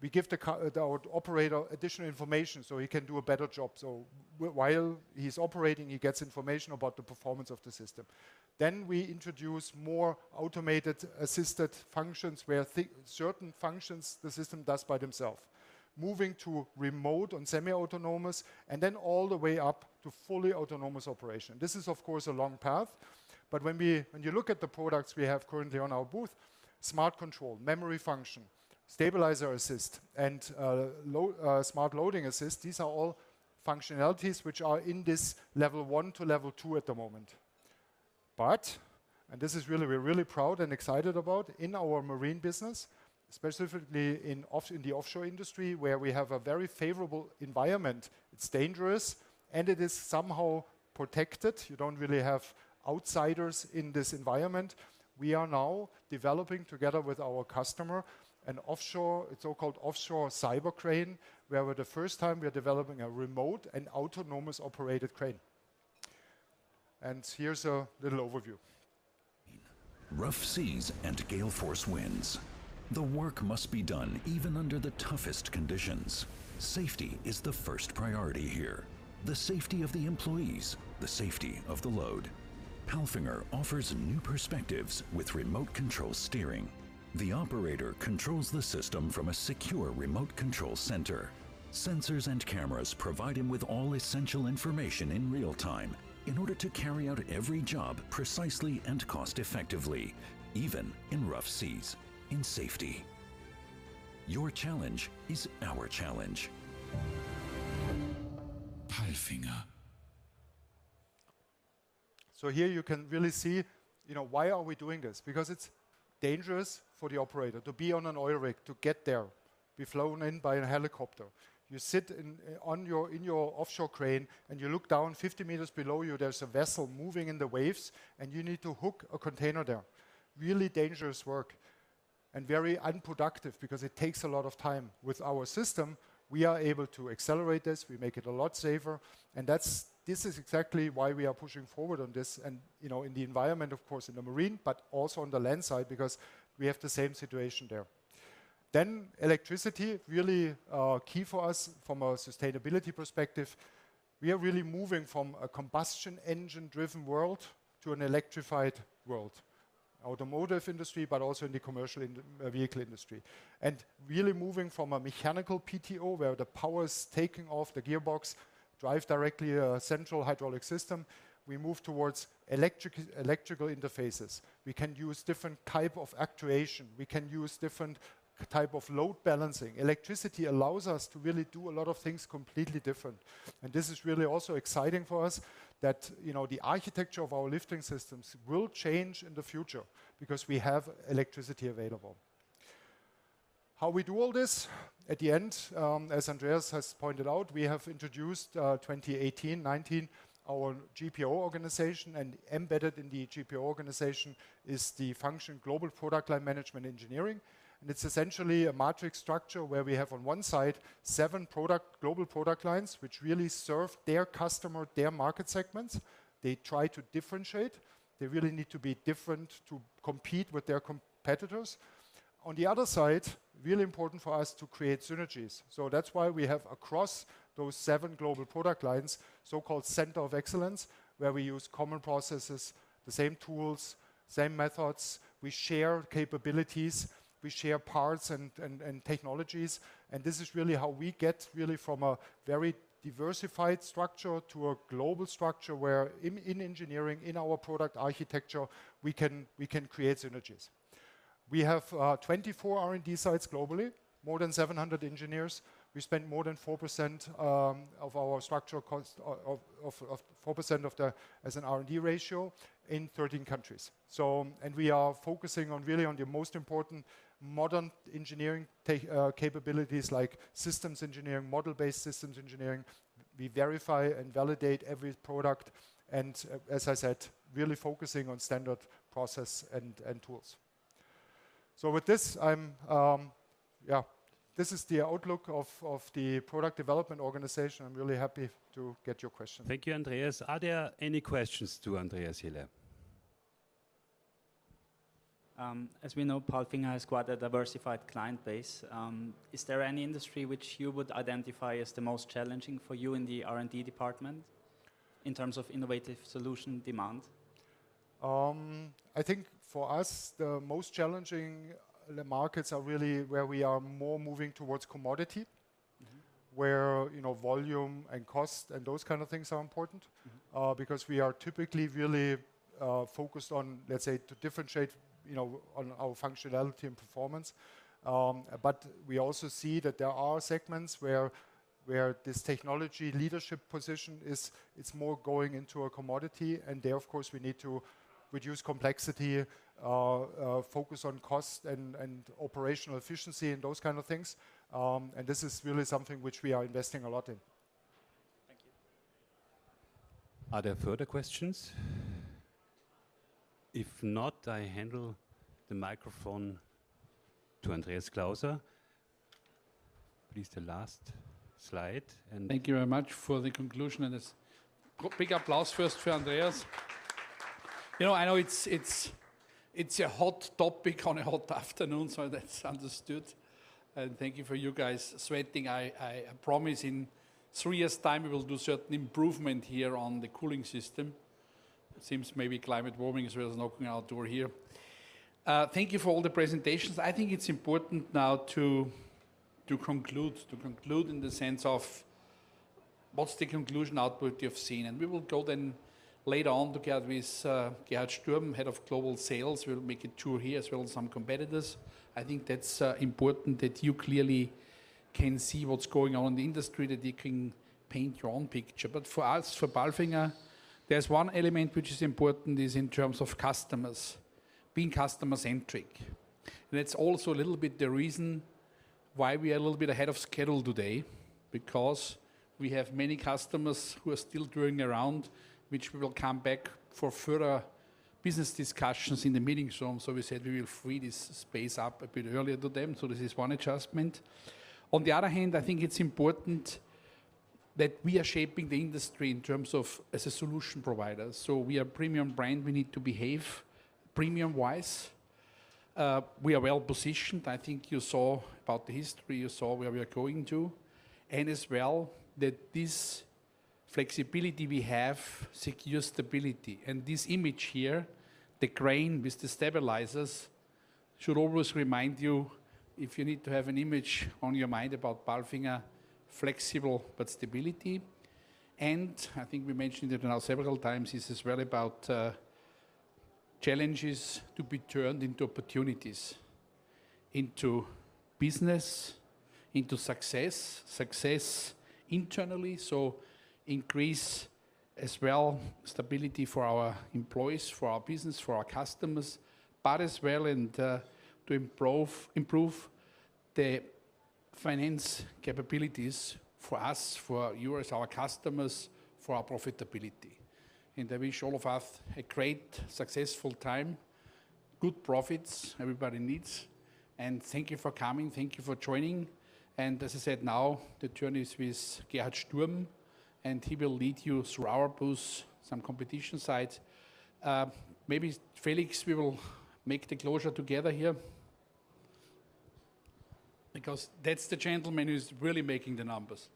we give our operator additional information so he can do a better job. While he's operating, he gets information about the performance of the system. We introduce more automated assisted functions where certain functions the system does by themselves. Moving to remote and semi-autonomous, and then all the way up to fully autonomous operation. This is of course a long path, but when you look at the products we have currently on our booth, Smart Control, Memory Function, Stabilizer Assist, and Smart Loading Assist, these are all functionalities which are in this level one to level two at the moment. This is really where we are really proud and excited about, in our marine business, specifically in the offshore industry, where we have a very favorable environment, it is dangerous, and it is somehow protected. You do not really have outsiders in this environment. We are now developing together with our customer a so-called offshore cyber crane, where for the first time we are developing a remote and autonomous operated crane. Here is a little overview. Rough seas and gale force winds. The work must be done even under the toughest conditions. Safety is the first priority here. The safety of the employees, the safety of the load. PALFINGER offers new perspectives with remote control steering. The operator controls the system from a secure remote control center. Sensors and cameras provide him with all essential information in real time in order to carry out every job precisely and cost effectively, even in rough seas, in safety. Your challenge is our challenge. PALFINGER. Here you can really see, you know, why are we doing this? Because it's dangerous for the operator to be on an oil rig, to get there, be flown in by a helicopter. You sit in your offshore crane, and you look down 50 m below you, there's a vessel moving in the waves, and you need to hook a container there. Really dangerous work, and very unproductive because it takes a lot of time. With our system, we are able to accelerate this. We make it a lot safer, and that's this is exactly why we are pushing forward on this and, you know, in the environment of course in the marine, but also on the land side because we have the same situation there. Electricity, really, key for us from a sustainability perspective. We are really moving from a combustion engine driven world to an electrified world. Automotive industry, but also in the commercial vehicle industry. Really moving from a mechanical PTO, where the power's taking off the gearbox, drive directly a central hydraulic system, we move towards electric, electrical interfaces. We can use different type of actuation. We can use different type of load balancing. Electricity allows us to really do a lot of things completely different. This is really also exciting for us that, you know, the architecture of our lifting systems will change in the future because we have electricity available. How we do all this? At the end, as Andreas has pointed out, we have introduced 2018, 2019, our GPO organization, and embedded in the GPO organization is the function Global Product Line Management Engineering. It's essentially a matrix structure where we have on one side seven product, global product lines which really serve their customer, their market segments. They try to differentiate. They really need to be different to compete with their competitors. On the other side, really important for us to create synergies. That's why we have across those seven global product lines so-called center of excellence, where we use common processes, the same tools, same methods. We share capabilities. We share parts and technologies. This is really how we get really from a very diversified structure to a global structure where in engineering, in our product architecture, we can create synergies. We have 24 R&D sites globally, more than 700 engineers. We spend more than 4% of our structural costs as an R&D ratio in 13 countries. We are focusing on really on the most important modern engineering capabilities like systems engineering, model-based systems engineering. We verify and validate every product, and as I said, really focusing on standard process and tools. With this is the outlook of the product development organization. I'm really happy to get your question. Thank you, Andreas. Are there any questions to Andreas Hille? As we know, PALFINGER has quite a diversified client base. Is there any industry which you would identify as the most challenging for you in the R&D department in terms of innovative solution demand? I think for us, the most challenging markets are really where we are more moving towards commodity. Mm-hmm. Where, you know, volume and cost and those kind of things are important. Mm-hmm. Because we are typically really focused on, let's say, to differentiate, you know, on our functionality and performance. We also see that there are segments where this technology leadership position is more going into a commodity, and there, of course, we need to reduce complexity, focus on cost and operational efficiency and those kind of things. This is really something which we are investing a lot in. Thank you. Are there further questions? If not, I handle the microphone to Andreas Klauser. Please, the last slide. Thank you very much for the conclusion and this big applause first for Andreas. You know, I know it's a hot topic on a hot afternoon, so that's understood. Thank you to you guys for sweating. I promise in three years' time we will do certain improvement here on the cooling system. It seems maybe climate warming as well as incoming outdoor heat. Thank you for all the presentations. I think it's important now to conclude. To conclude in the sense of what's the conclusion output you've seen. We will go then later on together with Gerhard Sturm, Head of Global Sales. We'll make a tour here as well as some competitors. I think that's important that you clearly can see what's going on in the industry, that you can paint your own picture. For us, for PALFINGER, there's one element which is important, is in terms of customers, being customer-centric. That's also a little bit the reason why we are a little bit ahead of schedule today, because we have many customers who are still touring around, which we will come back for further business discussions in the meeting room. We said we will free this space up a bit earlier to them, so this is one adjustment. On the other hand, I think it's important that we are shaping the industry in terms of as a solution provider. We are premium brand, we need to behave premium-wise. We are well-positioned. I think you saw about the history, you saw where we are going to. As well that this flexibility we have secures stability. This image here, the crane with the stabilizers, should always remind you if you need to have an image on your mind about PALFINGER, flexible but stability. I think we mentioned it now several times, this is really about challenges to be turned into opportunities, into business, into success. Success internally, so increase as well stability for our employees, for our business, for our customers, but as well and to improve the finance capabilities for us, for you as our customers, for our profitability. I wish all of us a great, successful time, good profits everybody needs. Thank you for coming. Thank you for joining. As I said, now the turn is with Gerhard Sturm, and he will lead you through our booth, some competition sites. Maybe, Felix, we will make the closure together here. Because that's the gentleman who's really making the numbers.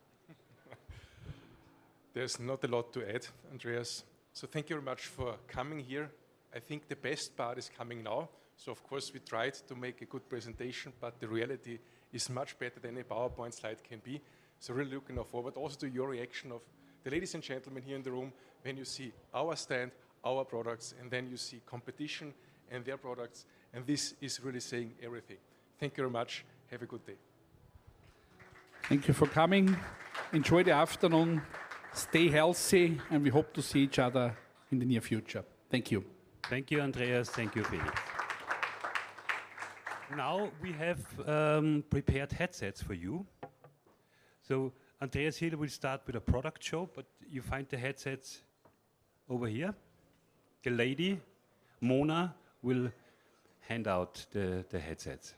There's not a lot to add, Andreas, so thank you very much for coming here. I think the best part is coming now. Of course we tried to make a good presentation, but the reality is much better than a PowerPoint slide can be. Really looking now forward also to your reaction of the ladies and gentlemen here in the room when you see our stand, our products, and then you see competition and their products, and this is really saying everything. Thank you very much. Have a good day. Thank you for coming. Enjoy the afternoon. Stay healthy, and we hope to see each other in the near future. Thank you. Thank you, Andreas. Thank you, Felix. Now we have prepared headsets for you. Andreas Hille will start with a product show, but you find the headsets over here. The lady, Mona, will hand out the headsets.